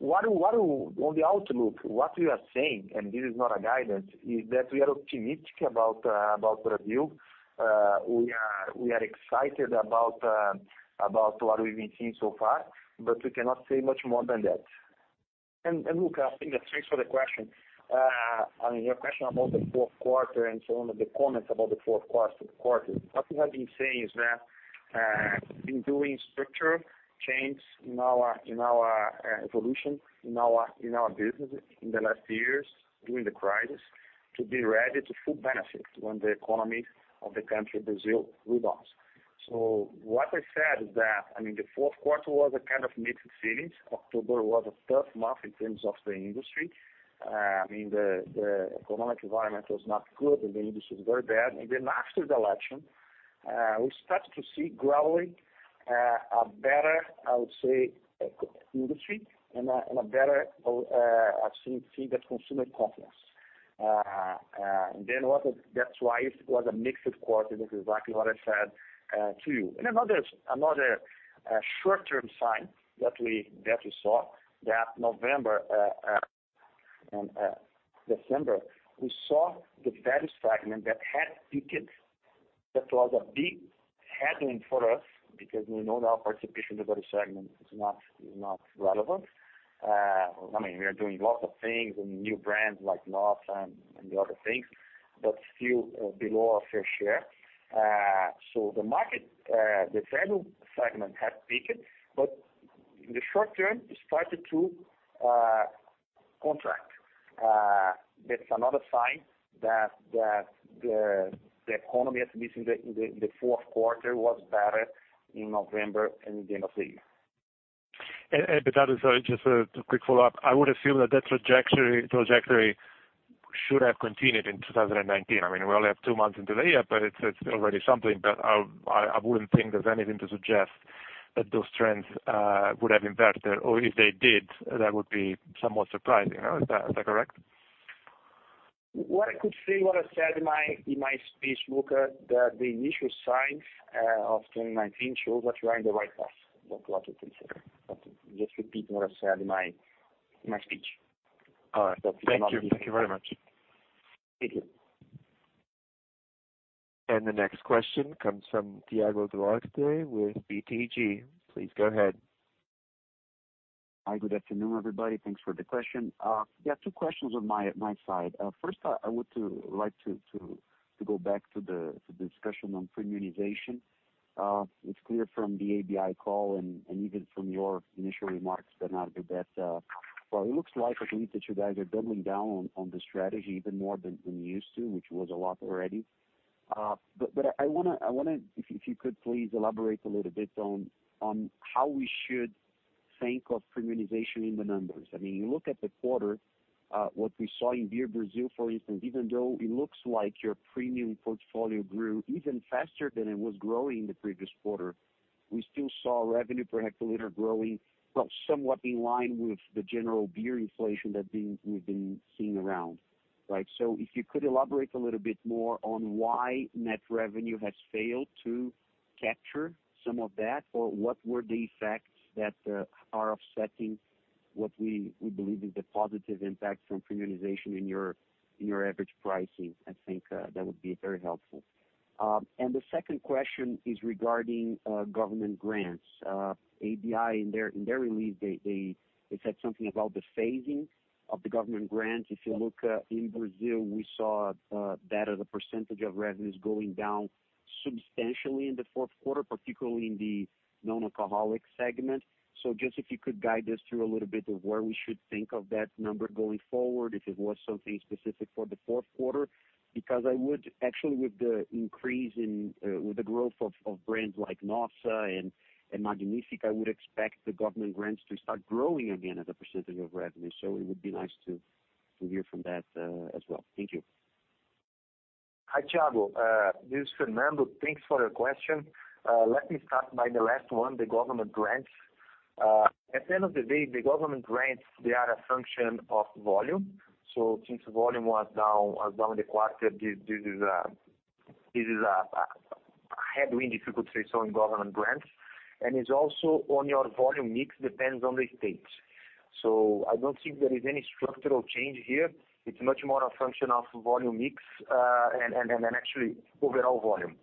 On the outlook, what we are saying, this is not a guidance, is that we are optimistic about Brazil. We are excited about what we've been seeing so far, but we cannot say much more than that. Luca, I think that. Thanks for the question. I mean, your question about the fourth quarter and some of the comments about the fourth quarter, what we have been saying is that we've been doing structural change in our evolution in our business in the last years during the crisis to be ready to fully benefit when the economy of the country, Brazil rebounds. What I said is that, I mean, the fourth quarter was a kind of mixed feelings. October was a tough month in terms of the industry. I mean, the economic environment was not good and the industry was very bad. After the election, we started to see gradually a better, I would say, industry and a better consumer confidence. That's why it was a mixed quarter. This is exactly what I said to you. Another short-term sign that we saw in November and December, we saw the value segment that had peaked. That was a big headline for us because we know our participation in the value segment is not relevant. I mean, we are doing lots of things and new brands like Nossa and the other things, but still below our fair share. The market, the value segment has peaked, but in the short term it started to contract. That's another sign that the economy, at least in the fourth quarter, was better in November and the end of the year. That is just a quick follow-up. I would assume that trajectory should have continued in 2019. I mean, we only have two months into the year, but it's already something. I wouldn't think there's anything to suggest that those trends would have inverted or if they did, that would be somewhat surprising. Is that correct? What I said in my speech, Luca, is that the initial signs of 2019 show that we're on the right path. That's what to consider. Just repeating what I said in my speech. All right. Thank you. Thank you very much. Thank you. The next question comes from Thiago Duarte with BTG. Please go ahead. Hi. Good afternoon, everybody. Thanks for the question. Yeah, two questions on my side. First, I would like to go back to the discussion on premiumization. It's clear from the ABI call and even from your initial remarks, Bernardo, that it looks like I believe that you guys are doubling down on the strategy even more than you used to, which was a lot already. If you could please elaborate a little bit on how we should think of premiumization in the numbers. I mean, you look at the quarter, what we saw in Beer Brazil, for instance, even though it looks like your premium portfolio grew even faster than it was growing in the previous quarter, we still saw revenue per hectoliter growing, somewhat in line with the general beer inflation we've been seeing around, right? So if you could elaborate a little bit more on why net revenue has failed to capture some of that, or what were the effects that are offsetting what we believe is the positive impact from premiumization in your average pricing. I think that would be very helpful. The second question is regarding government grants. ABI in their release, they said something about the phasing of the government grants. If you look in Brazil, we saw that as a percentage of revenues going down substantially in the fourth quarter, particularly in the non-alcoholic segment. Just if you could guide us through a little bit of where we should think of that number going forward, if it was something specific for the fourth quarter. Because actually, with the growth of brands like Nossa and Magnífica, I would expect the government grants to start growing again as a percentage of revenue. It would be nice to hear from that as well. Thank you. Hi, Thiago. This is Fernando. Thanks for your question. Let me start by the last one, the government grants. At the end of the day, the government grants they are a function of volume. Since volume was down in the quarter, this is a headwind, if you could say so, in government grants, and it's also on your volume mix, depends on the state. I don't think there is any structural change here. It's much more a function of volume mix, and then actually overall volume.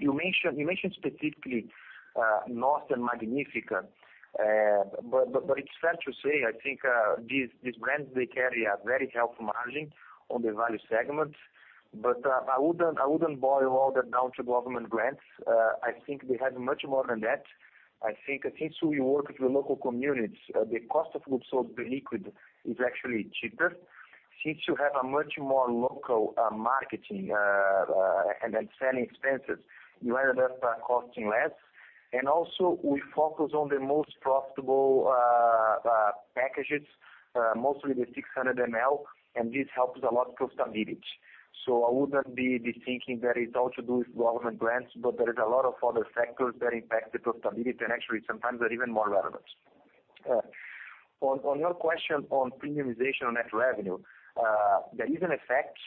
You mentioned specifically Nossa and Magnífica. It's fair to say I think these brands they carry a very healthy margin on the value segment. I wouldn't boil all that down to government grants. I think they have much more than that. I think since we work with the local communities, the cost of goods sold, the liquid is actually cheaper. Since you have a much more local marketing and then selling expenses, you end up costing less. We focus on the most profitable packages, mostly the 600 ml, and this helps a lot profitability. I wouldn't be thinking that it's all to do with government grants, but there is a lot of other factors that impact the profitability, and actually sometimes they're even more relevant. On your question on premiumization on net revenue, there is an effect.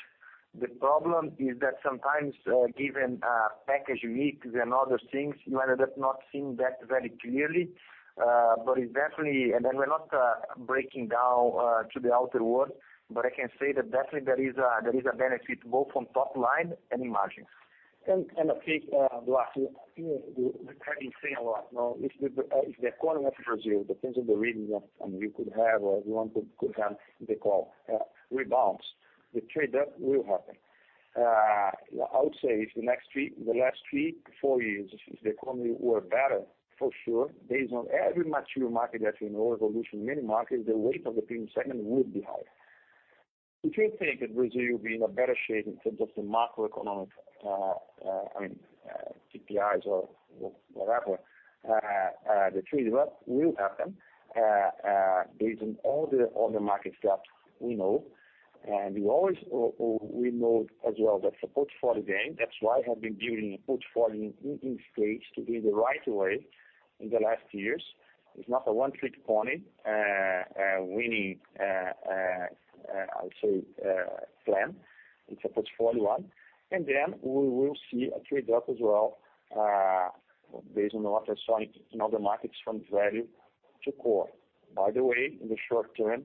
The problem is that sometimes, given package mix and other things, you end up not seeing that very clearly. It's definitely, and then we're not breaking down to the outer world, but I can say that definitely there is a benefit both on top line and in margins. I think, Duarte, the trend is saying a lot. Now, if the economy of Brazil depends on the region, I mean, we could have or everyone could have overall rebounds. The trade up will happen. I would say if the last 3-4 years, if the economy were better, for sure, based on every mature market that we know, evolution, many markets, the weight of the premium segment would be higher. If you think that Brazil will be in a better shape in terms of the macroeconomic, I mean, CPI's or whatever, the trade will happen, based on all the markets that we know. We always know as well that's a portfolio game. That's why I have been building a portfolio in stage to be the right way in the last years. It's not a one-trick pony winning, I would say, plan. It's a portfolio one. Then we will see a trade drop as well, based on what I saw in other markets from value to core. By the way, in the short term,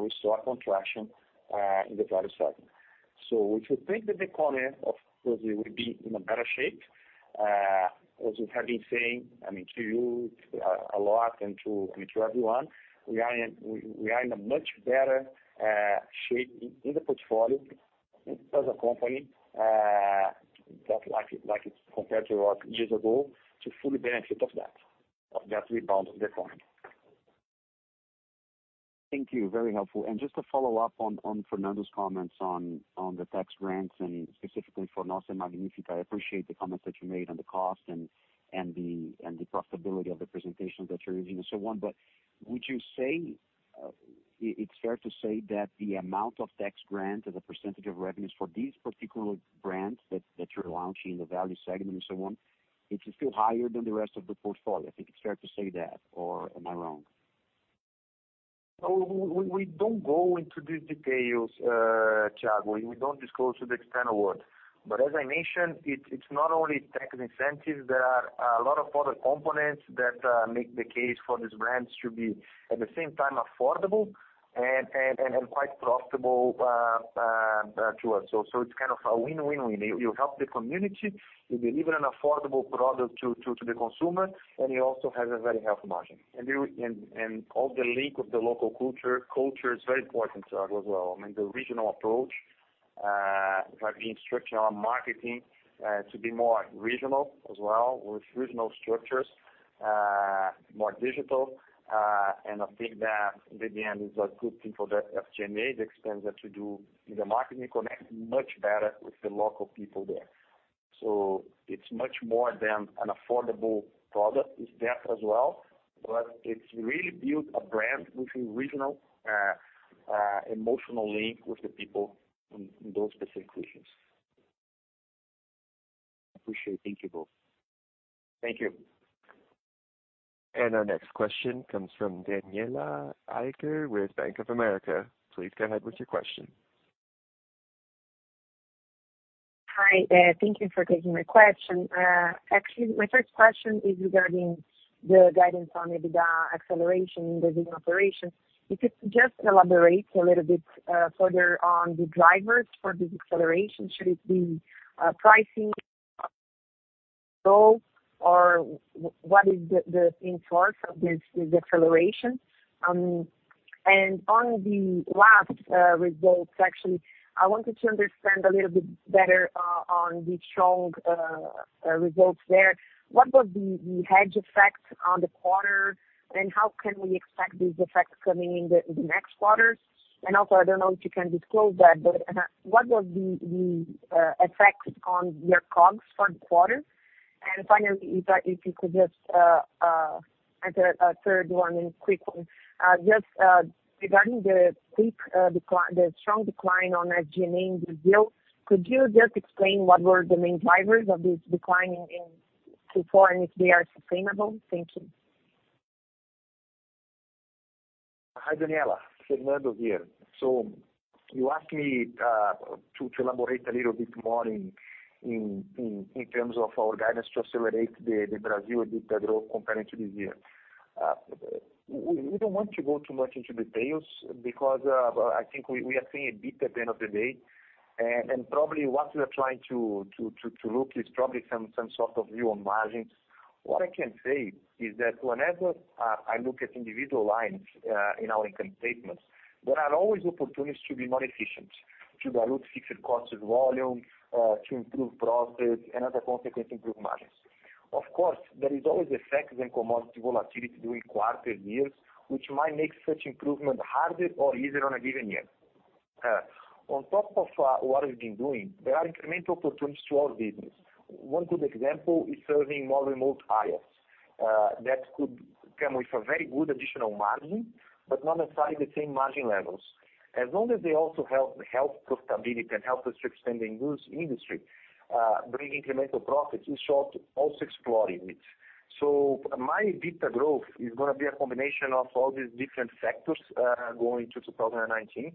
we saw a contraction in the value segment. We should think that the economy of Brazil will be in a better shape. As we have been saying, I mean, to you a lot and I mean, to everyone, we are in a much better shape in the portfolio as a company, that like it compared to what years ago, to fully benefit of that rebound of the economy. Thank you. Very helpful. Just to follow up on Fernando's comments on the tax grants and specifically for Nossa and Magnífica, I appreciate the comments that you made on the cost and the profitability of the presentations that you're using and so on. Would you say it's fair to say that the amount of tax grant as a percentage of revenues for these particular brands that you're launching in the value segment and so on, it's still higher than the rest of the portfolio? I think it's fair to say that, or am I wrong? We don't go into these details, Thiago. We don't disclose to the external world. As I mentioned, it's not only tax incentives, there are a lot of other components that make the case for these brands to be, at the same time affordable and quite profitable to us. It's kind of a win-win-win. You help the community, you deliver an affordable product to the consumer, and you also have a very healthy margin. All the link of the local culture is very important to us as well. I mean, the regional approach have been structuring our marketing to be more regional as well with regional structures more digital, and I think that in the end is a good thing for the SG&A, the expense that we do in the marketing connect much better with the local people there. It's much more than an affordable product. It's that as well, but it's really built a brand with a regional emotional link with the people in those specific regions. Appreciate. Thank you both. Thank you. Our next question comes from Daniela Cachich with Bank of America. Please go ahead with your question. Hi. Thank you for taking my question. Actually, my first question is regarding the guidance on EBITDA acceleration in the business operations. If you could just elaborate a little bit further on the drivers for this acceleration? Should it be pricing or what is the influence of this acceleration? And on the last results, actually, I wanted to understand a little bit better on the strong results there. What was the hedge effects on the quarter, and how can we expect these effects coming in the next quarters? Also, I don't know if you can disclose that, but what was the effects on your COGS for the quarter? Finally, if you could just answer a third one and quick one. Just regarding the strong decline on SG&A in Brazil, could you just explain what were the main drivers of this decline in Q4 and if they are sustainable? Thank you. Hi, Daniela. Fernando here. You asked me to elaborate a little bit more in terms of our guidance to accelerate the Brazil EBITDA growth compared to this year. We don't want to go too much into details because I think we are seeing EBITDA at the end of the day. Probably what we are trying to look is probably some sort of view on margins. What I can say is that whenever I look at individual lines in our income statements, there are always opportunities to be more efficient, to dilute fixed costs with volume, to improve profits and as a consequence, improve margins. Of course, there is always effects of commodity volatility during quarters, years, which might make such improvement harder or easier on a given year. On top of what we've been doing, there are incremental opportunities to our business. One good example is serving more remote areas that could come with a very good additional margin, but not necessarily the same margin levels. As long as they also help profitability and help us to expand in those industry, bring incremental profits, we start also exploring it. My EBITDA growth is gonna be a combination of all these different factors, going to 2019.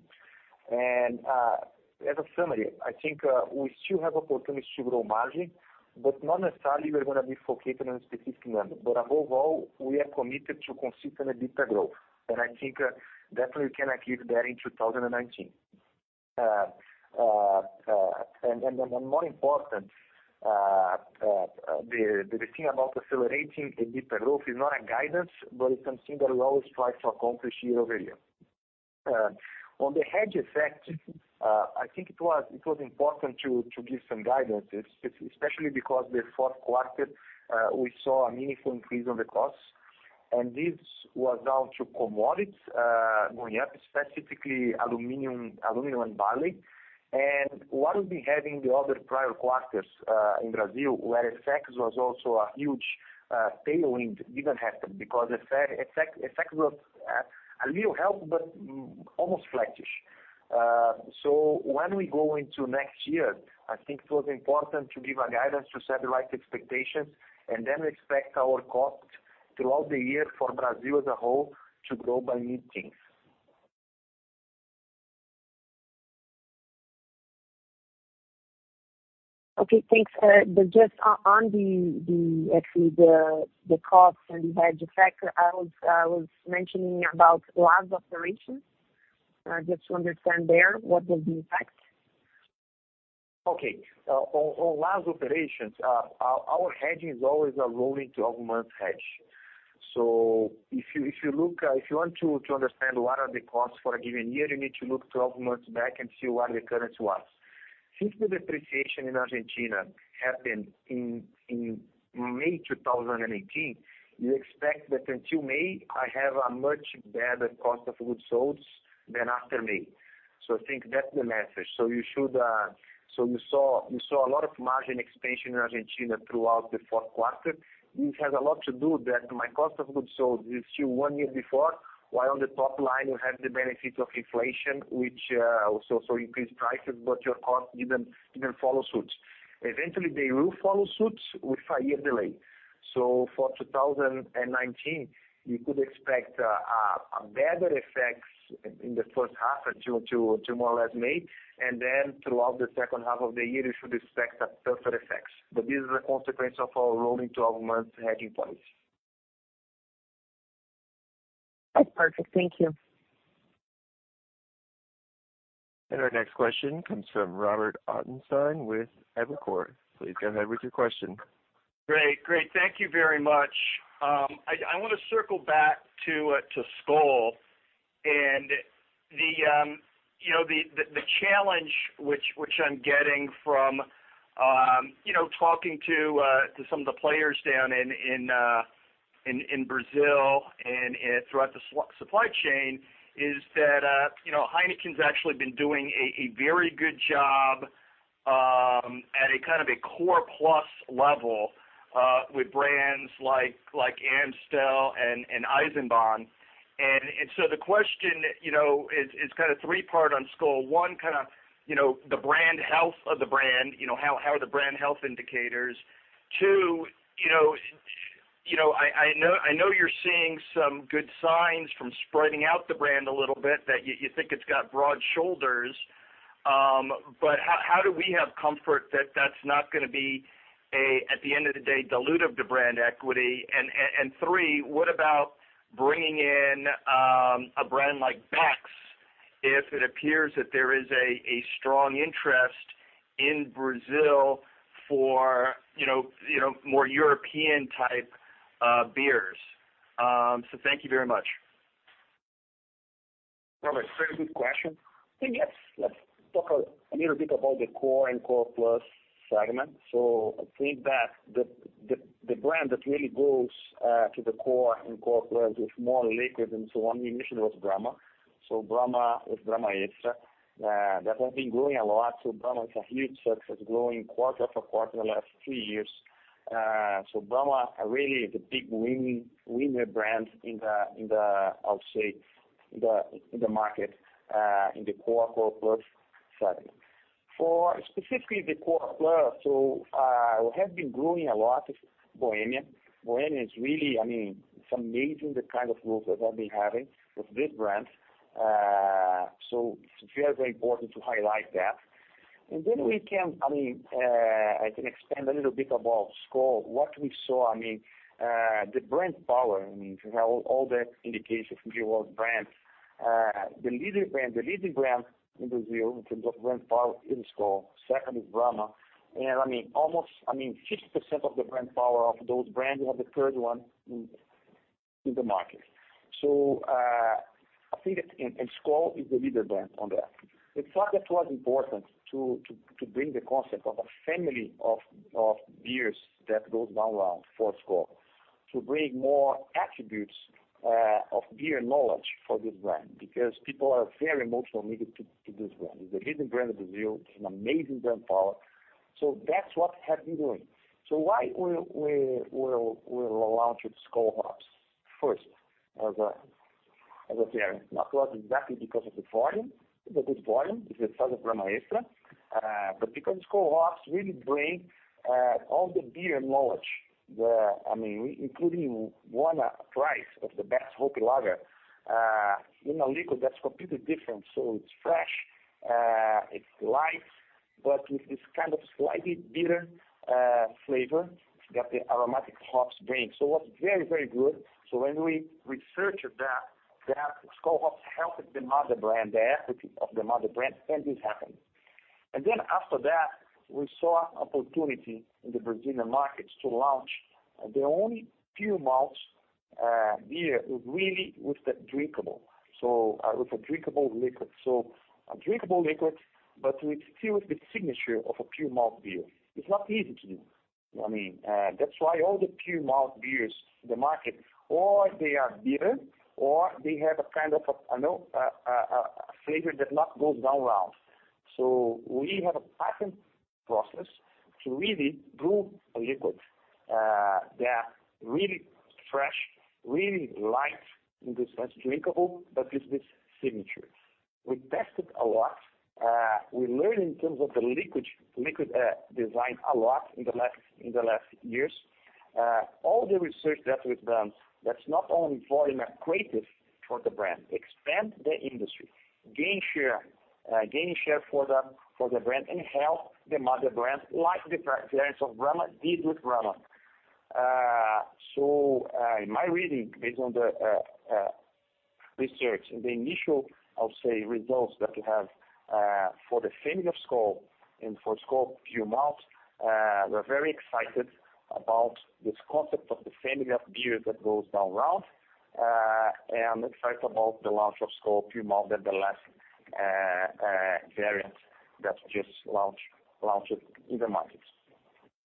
As a summary, I think we still have opportunities to grow margin, but not necessarily we're gonna be focusing on a specific number. Above all, we are committed to consistent EBITDA growth. I think definitely we can achieve that in 2019. More important, the thing about accelerating EBITDA growth is not a guidance, but it's something that we always strive to accomplish year-over-year. On the hedge effect, I think it was important to give some guidance, especially because in the fourth quarter we saw a meaningful increase in the costs, and this was down to commodities going up, specifically aluminum and barley. What we had in the other prior quarters in Brazil, where FX was also a huge tailwind, didn't happen because FX was a little help, but almost flattish. When we go into next year, I think it was important to give a guidance to set the right expectations and then expect our costs throughout the year for Brazil as a whole to grow by mid-teens%. Okay, thanks. Just on the, actually, the cost and the hedge effect, I was mentioning about LAS operations. Just to understand there, what was the impact? Okay. On LAS operations, our hedging is always a rolling twelve-month hedge. If you look, if you want to understand what are the costs for a given year, you need to look twelve months back and see what the currency was. Since the depreciation in Argentina happened in May 2018, you expect that until May, I have a much better cost of goods sold than after May. I think that's the message. You saw a lot of margin expansion in Argentina throughout the fourth quarter. This has a lot to do that my cost of goods sold is still one year before, while on the top line, we have the benefit of inflation, which also increased prices, but your costs didn't follow suit. Eventually, they will follow suit with a year delay. For 2019, you could expect a better FX in the first half until more or less May. Then throughout the second half of the year, you should expect a tougher FX. This is a consequence of our rolling twelve-month hedging policy. That's perfect. Thank you. Our next question comes from Robert Ottenstein with Evercore. Please go ahead with your question. Great. Thank you very much. I wanna circle back to Skol and the challenge which I'm getting from talking to some of the players down in Brazil and throughout the supply chain is that Heineken's actually been doing a very good job at a kind of core plus level with brands like Amstel and Eisenbahn. The question is kinda three part on Skol. One, the brand health of the brand, how are the brand health indicators? Two, I know you're seeing some good signs from spreading out the brand a little bit, that you think it's got broad shoulders. How do we have comfort that that's not gonna be a, at the end of the day, dilutive to brand equity? Three, what about bringing in a brand like Beck's if it appears that there is a strong interest in Brazil for you know more European type beers? Thank you very much. Robert, very good question. I think let's talk a little bit about the core and core plus segment. I think that the brand that really goes to the core and core plus with more liquid and so on initially was Brahma. Brahma is Brahma Extra. That has been growing a lot. Brahma is a huge success, growing quarter after quarter the last three years. Brahma really is a big winning brand. I would say in the market in the core core plus segment. For specifically the core plus, we have been growing a lot with Bohemia. Bohemia is really, I mean, it's amazing the kind of growth that I've been having with this brand. It's very important to highlight that. We can, I mean, I can expand a little bit about Skol. What we saw, I mean, the brand power, I mean, if you have all the indications from your world brands, the leading brand in Brazil in terms of brand power, it is Skol. Second is Brahma. Almost, I mean, 50% of the brand power of those brands, you have the third one in the market. I think that. Skol is the leader brand on that. We thought that was important to bring the concept of a family of beers that goes down well for Skol, to bring more attributes of beer knowledge for this brand because people are very emotionally linked to this brand. It's the leading brand in Brazil with an amazing brand power. That's what we have been doing. Why we're launching Skol Hops first as a premium? Not exactly because of the volume, the good volume, it's the size of Brahma Extra, but because Skol Hops really bring all the beer knowledge. I mean, including won a prize of the best hop lager in a liquid that's completely different. It's fresh, it's light, but with this kind of slightly bitter flavor that the aromatic hops bring. It was very, very good. When we researched that, Skol Hops helped the mother brand, the equity of the mother brand, and this happened. Then after that, we saw opportunity in the Brazilian markets to launch the only pure malt beer really with a drinkable liquid. A drinkable liquid, but still with the signature of a pure malt beer. It's not easy to do. I mean, that's why all the pure malt beers in the market, or they are bitter, or they have a kind of, I know, a flavor that not goes down well. We have a patent process to really brew a liquid, that really fresh, really light in this sense, drinkable, but with this signature. We tested a lot. We learned in terms of the liquid design a lot in the last years. All the research that we've done, that's not only volume accretive for the brand, expand the industry, gain share for the brand, and help the mother brand, like the variants of Brahma did with Brahma. In my reading, based on the research and the initial, I'll say, results that we have, for the family of Skol and for Skol Puro Malte, we're very excited about this concept of the family of beer that goes down well, and excited about the launch of Skol Puro Malte and the latest variant that just launched in the market.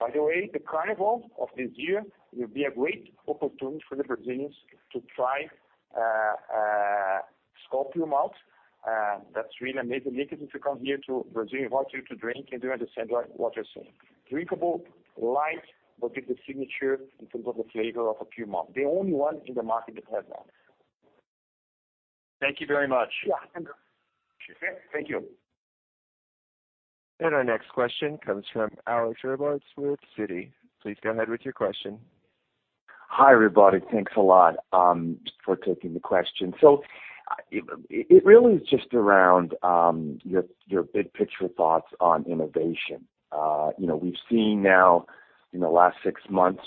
By the way, the carnival of this year will be a great opportunity for the Brazilians to try Skol Puro Malte. That's really amazing liquid. If you come here to Brazil, I invite you to drink, and you understand what I'm saying. Drinkable, light, but with the signature in terms of the flavor of a pure malt. The only one in the market that has that. Thank you very much. Yeah. Thank you. Okay. Thank you. Our next question comes from Alexander Robarts with Citi. Please go ahead with your question. Hi, everybody. Thanks a lot for taking the question. It really is just around your big picture thoughts on innovation. You know, we've seen now in the last six months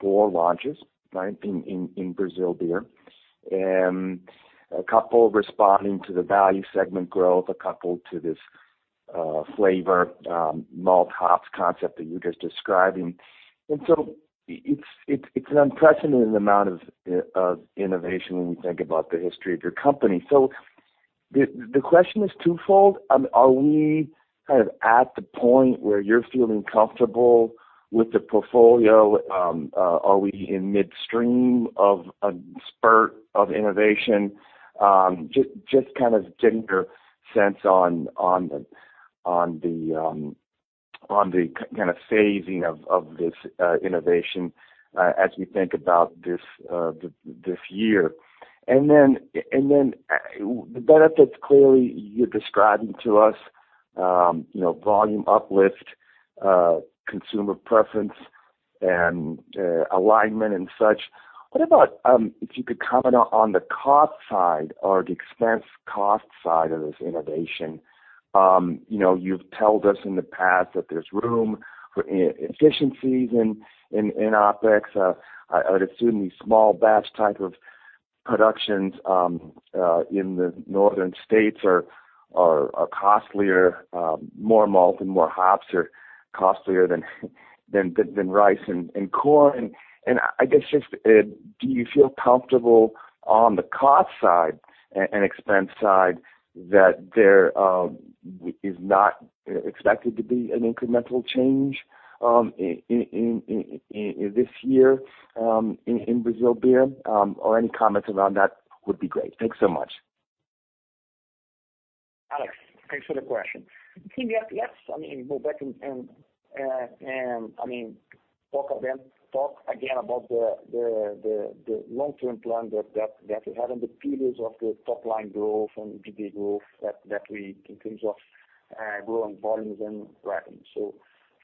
four launches, right, in Beer Brazil, and a couple responding to the value segment growth, a couple to this flavor malt hops concept that you're just describing. It's an unprecedented amount of innovation when we think about the history of your company. The question is twofold. Are we kind of at the point where you're feeling comfortable with the portfolio? Are we in midstream of a spurt of innovation? Just kind of getting your sense on the kind of phasing of this year. Then the benefits clearly you're describing to us, you know, volume uplift, consumer preference and alignment and such. What about if you could comment on the cost side or the expense cost side of this innovation? You know, you've told us in the past that there's room for efficiencies in OpEx. I would assume these small batch type of productions in the northern states are costlier, more malt and more hops are costlier than rice and corn. I guess just do you feel comfortable on the cost side and expense side that there is not expected to be an incremental change in this year in Beer Brazil? Any comments around that would be great. Thanks so much. Alex, thanks for the question. Yes, yes. I mean go back and I mean talk again about the long-term plan that we have and the pillars of the top line growth and EBITDA growth that we in terms of growing volumes and revenue.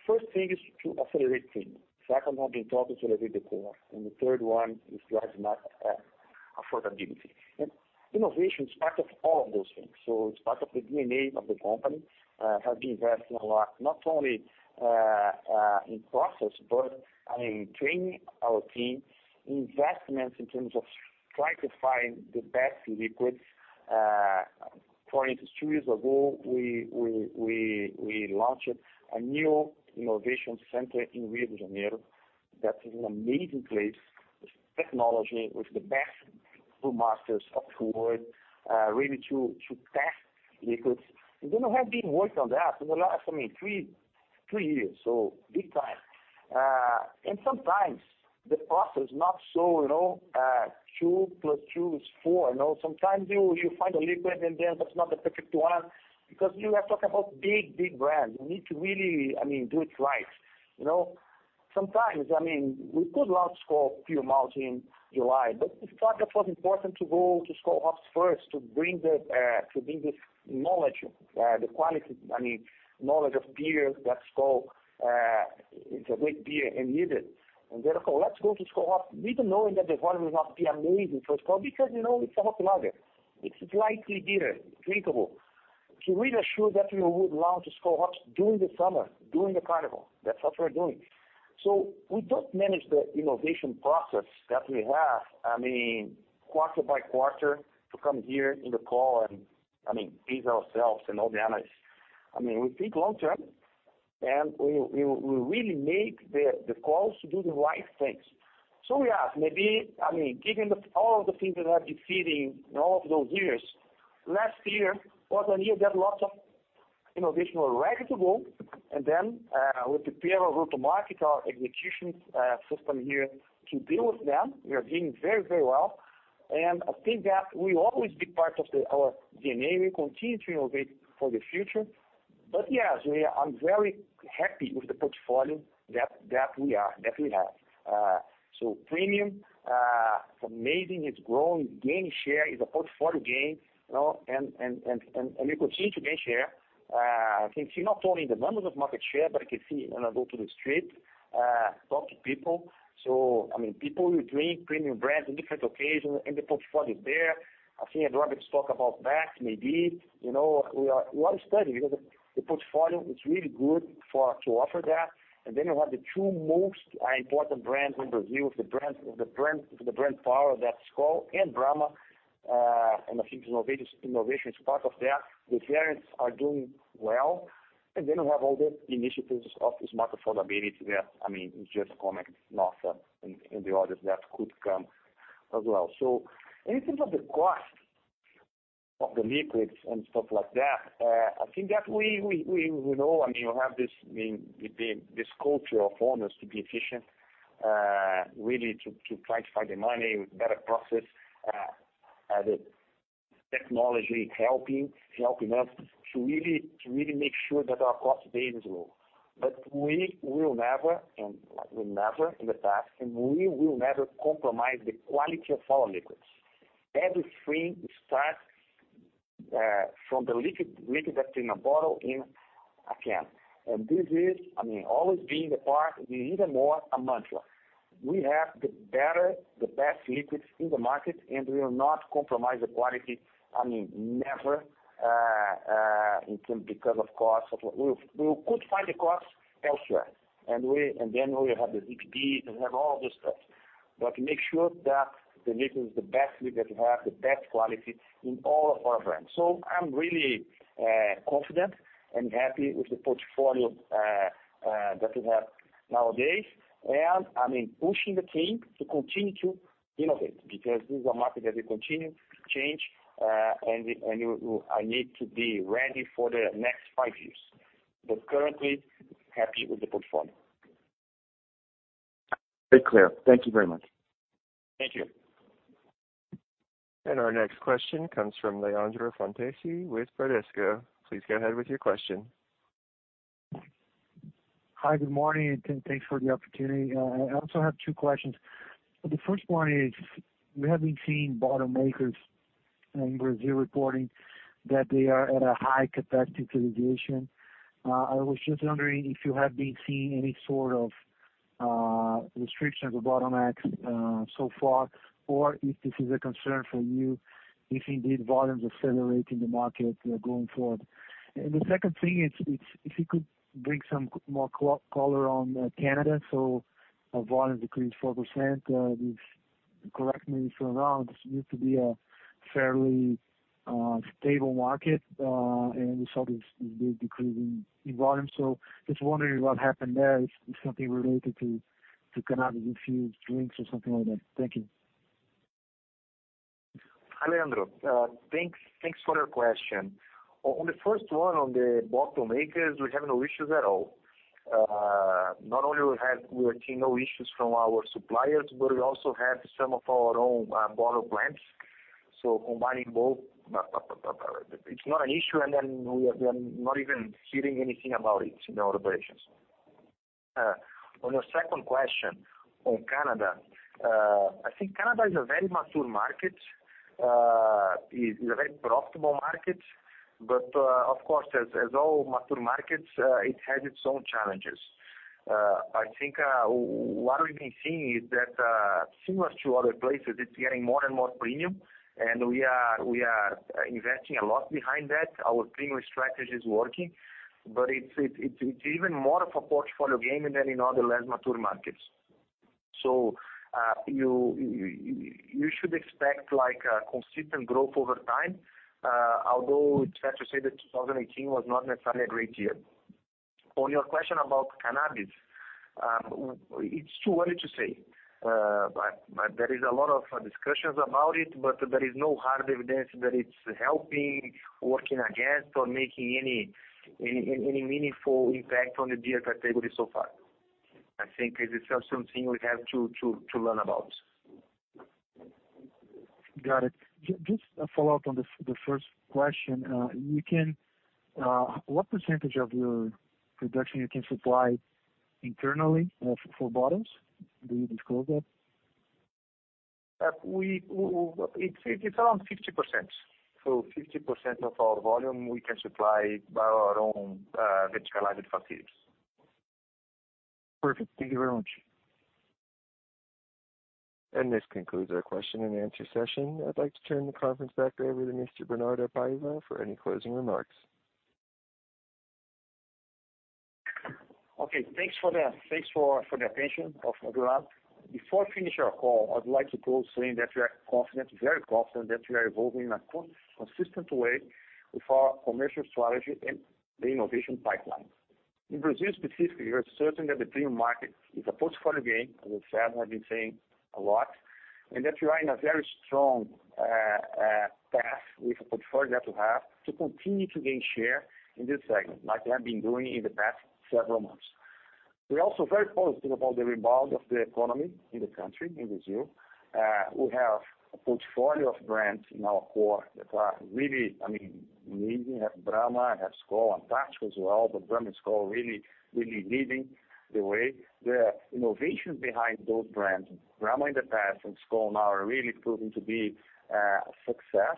First thing is to accelerate things. Second one being talked is really the core. The third one is driving affordability. Innovation is part of all of those things. It's part of the DNA of the company. We have been investing a lot, not only in process, but I mean training our team, investments in terms of trying to find the best liquids. For instance, 2 years ago, we launched a new innovation center in Rio de Janeiro. That is an amazing place with technology, with the best brew masters of the world, really to test liquids. We have been working on that in the last three years, so big time. Sometimes the process is not so, you know, two plus two is four. You know, sometimes you find a liquid in there that's not the perfect one because you are talking about big brands. You need to really, I mean, do it right. You know, sometimes, I mean, we could launch Skol Puro Malte in July, but we thought that was important to go to Skol Hops first to bring this knowledge, the quality, I mean, knowledge of beer that Skol is a great beer and use it. Therefore, let's go to Skol Hops, even knowing that the volume will not be amazing for Skol because, you know, it's a hop lager. It's slightly bitter, drinkable. To really assure that we would launch Skol Hops during the summer, during the carnival. That's what we're doing. We don't manage the innovation process that we have, I mean, quarter by quarter to come here in the call and, I mean, pace ourselves and all the analysts. I mean, we think long term, and we really make the calls to do the right things. Yeah, maybe, I mean, given all of the things that have been feeding in all of those years, last year was a year that lots of innovation were ready to go. With the beer route to market our execution, system here to deal with them, we are doing very well. I think that will always be part of our DNA. We continue to innovate for the future. Yeah, I'm very happy with the portfolio that we have. Premium, it's amazing, it's growing, gaining share, is a portfolio gain, you know. We continue to gain share. I can see not only the numbers of market share, but I can see when I go to the street, talk to people. I mean, people will drink premium brands in different occasions, and the portfolio is there. I think Robert's talk about that, maybe. You know, we are studying because the portfolio is really good to offer that. Then you have the two most important brands in Brazil, the brand power that Skol and Brahma, and I think innovation is part of that. The variants are doing well, and they don't have all the initiatives of smarter affordability there. I mean, it's just coming north and the others that could come as well. In terms of the cost of the liquids and stuff like that, I think that we know, I mean, we have this culture of owners to be efficient, really to try to find the money with better process, the technology helping us to really make sure that our cost base is low. We will never, like we never in the past, compromise the quality of our liquids. Everything starts from the liquid that's in a bottle, in a can. This is, I mean, always been a part, even more a mantra. We have the best liquids in the market, and we will not compromise the quality. I mean, never in terms of cost. We could find the cost elsewhere. Then we have the ZBB, we have all the stuff. Make sure that the liquid is the best liquid. We have the best quality in all of our brands. I'm really confident and happy with the portfolio that we have nowadays. I mean, pushing the team to continue to innovate because this is a market that will continue to change, and I need to be ready for the next five years. Currently happy with the portfolio. Very clear. Thank you very much. Thank you. Our next question comes from Leonardo Alencar with Bradesco. Please go ahead with your question. Hi, good morning, and thanks for the opportunity. I also have two questions. The first one is, we have been seeing bottle makers in Brazil reporting that they are at a high capacity utilization. I was just wondering if you have been seeing any sort of restriction of the bottlenecks so far, or if this is a concern for you, if indeed volumes accelerate in the market going forward. The second thing is, if you could bring some more color on Canada. Our volumes decreased 4%. If correct me if I'm wrong, this used to be a fairly stable market, and we saw this big decrease in volume. Just wondering what happened there. If it's something related to cannabis-infused drinks or something like that. Thank you. Hi, Leonardo Alencar. Thanks for your question. On the first one, on the bottle makers, we have no issues at all. Not only we are seeing no issues from our suppliers, but we also have some of our own bottle plants. Combining both, it's not an issue, and then we are not even hearing anything about it in our operations. On your second question on Canada, I think Canada is a very mature market. It is a very profitable market, but of course, as all mature markets, it has its own challenges. I think what we've been seeing is that similar to other places, it's getting more and more premium, and we are investing a lot behind that. Our premium strategy is working, but it's even more of a portfolio game than in other less mature markets. You should expect like a consistent growth over time, although it's fair to say that 2018 was not necessarily a great year. On your question about cannabis, it's too early to say. There is a lot of discussions about it, but there is no hard evidence that it's helping, working against or making any meaningful impact on the beer category so far. I think it is still something we have to learn about. Got it. Just a follow-up on the first question. What percentage of your production you can supply internally for bottles? Do you disclose that? It's around 50%. 50% of our volume we can supply by our own verticalized facilities. Perfect. Thank you very much. This concludes our question and answer session. I'd like to turn the conference back over to Mr. Bernardo Paiva for any closing remarks. Okay. Thanks for the attention of everyone. Before I finish our call, I'd like to close saying that we are confident, very confident, that we are evolving in a consistent way with our commercial strategy and the innovation pipeline. In Brazil specifically, we are certain that the premium market is a portfolio game, as we said, have been saying a lot, and that we are in a very strong path with the portfolio that we have to continue to gain share in this segment like we have been doing in the past several months. We're also very positive about the rebound of the economy in the country, in Brazil. We have a portfolio of brands in our core that are really, I mean, leading. We have Brahma, Skol, and Antarctica as well, but Brahma and Skol really leading the way. The innovation behind those brands, Brahma in the past and Skol now, are really proving to be a success.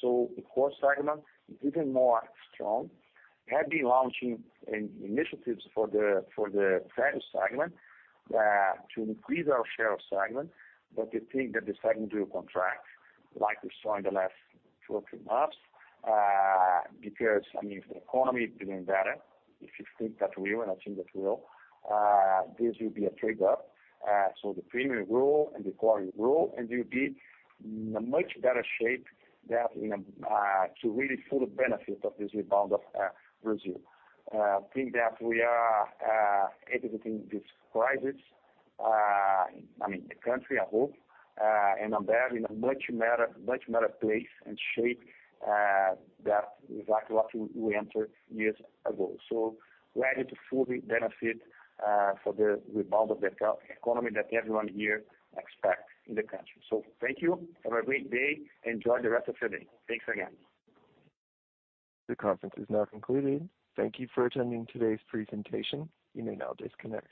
The core segment is even more strong. We have been launching initiatives for the value segment to increase our share of segment. We think that the segment will contract like we saw in the last two or three months, because, I mean, if the economy is doing better, if you think that will, and I think that will, this will be a trigger. The premium will grow and the core will grow, and we'll be in a much better shape than in a to really fully benefit of this rebound of Brazil. I think that we are exiting this crisis, I mean, the country as a whole, and Ambev in a much better place and shape than exactly what we entered years ago. Ready to fully benefit for the rebound of the economy that everyone here expect in the country. Thank you. Have a great day. Enjoy the rest of your day. Thanks again. The conference is now concluded. Thank you for attending today's presentation. You may now disconnect.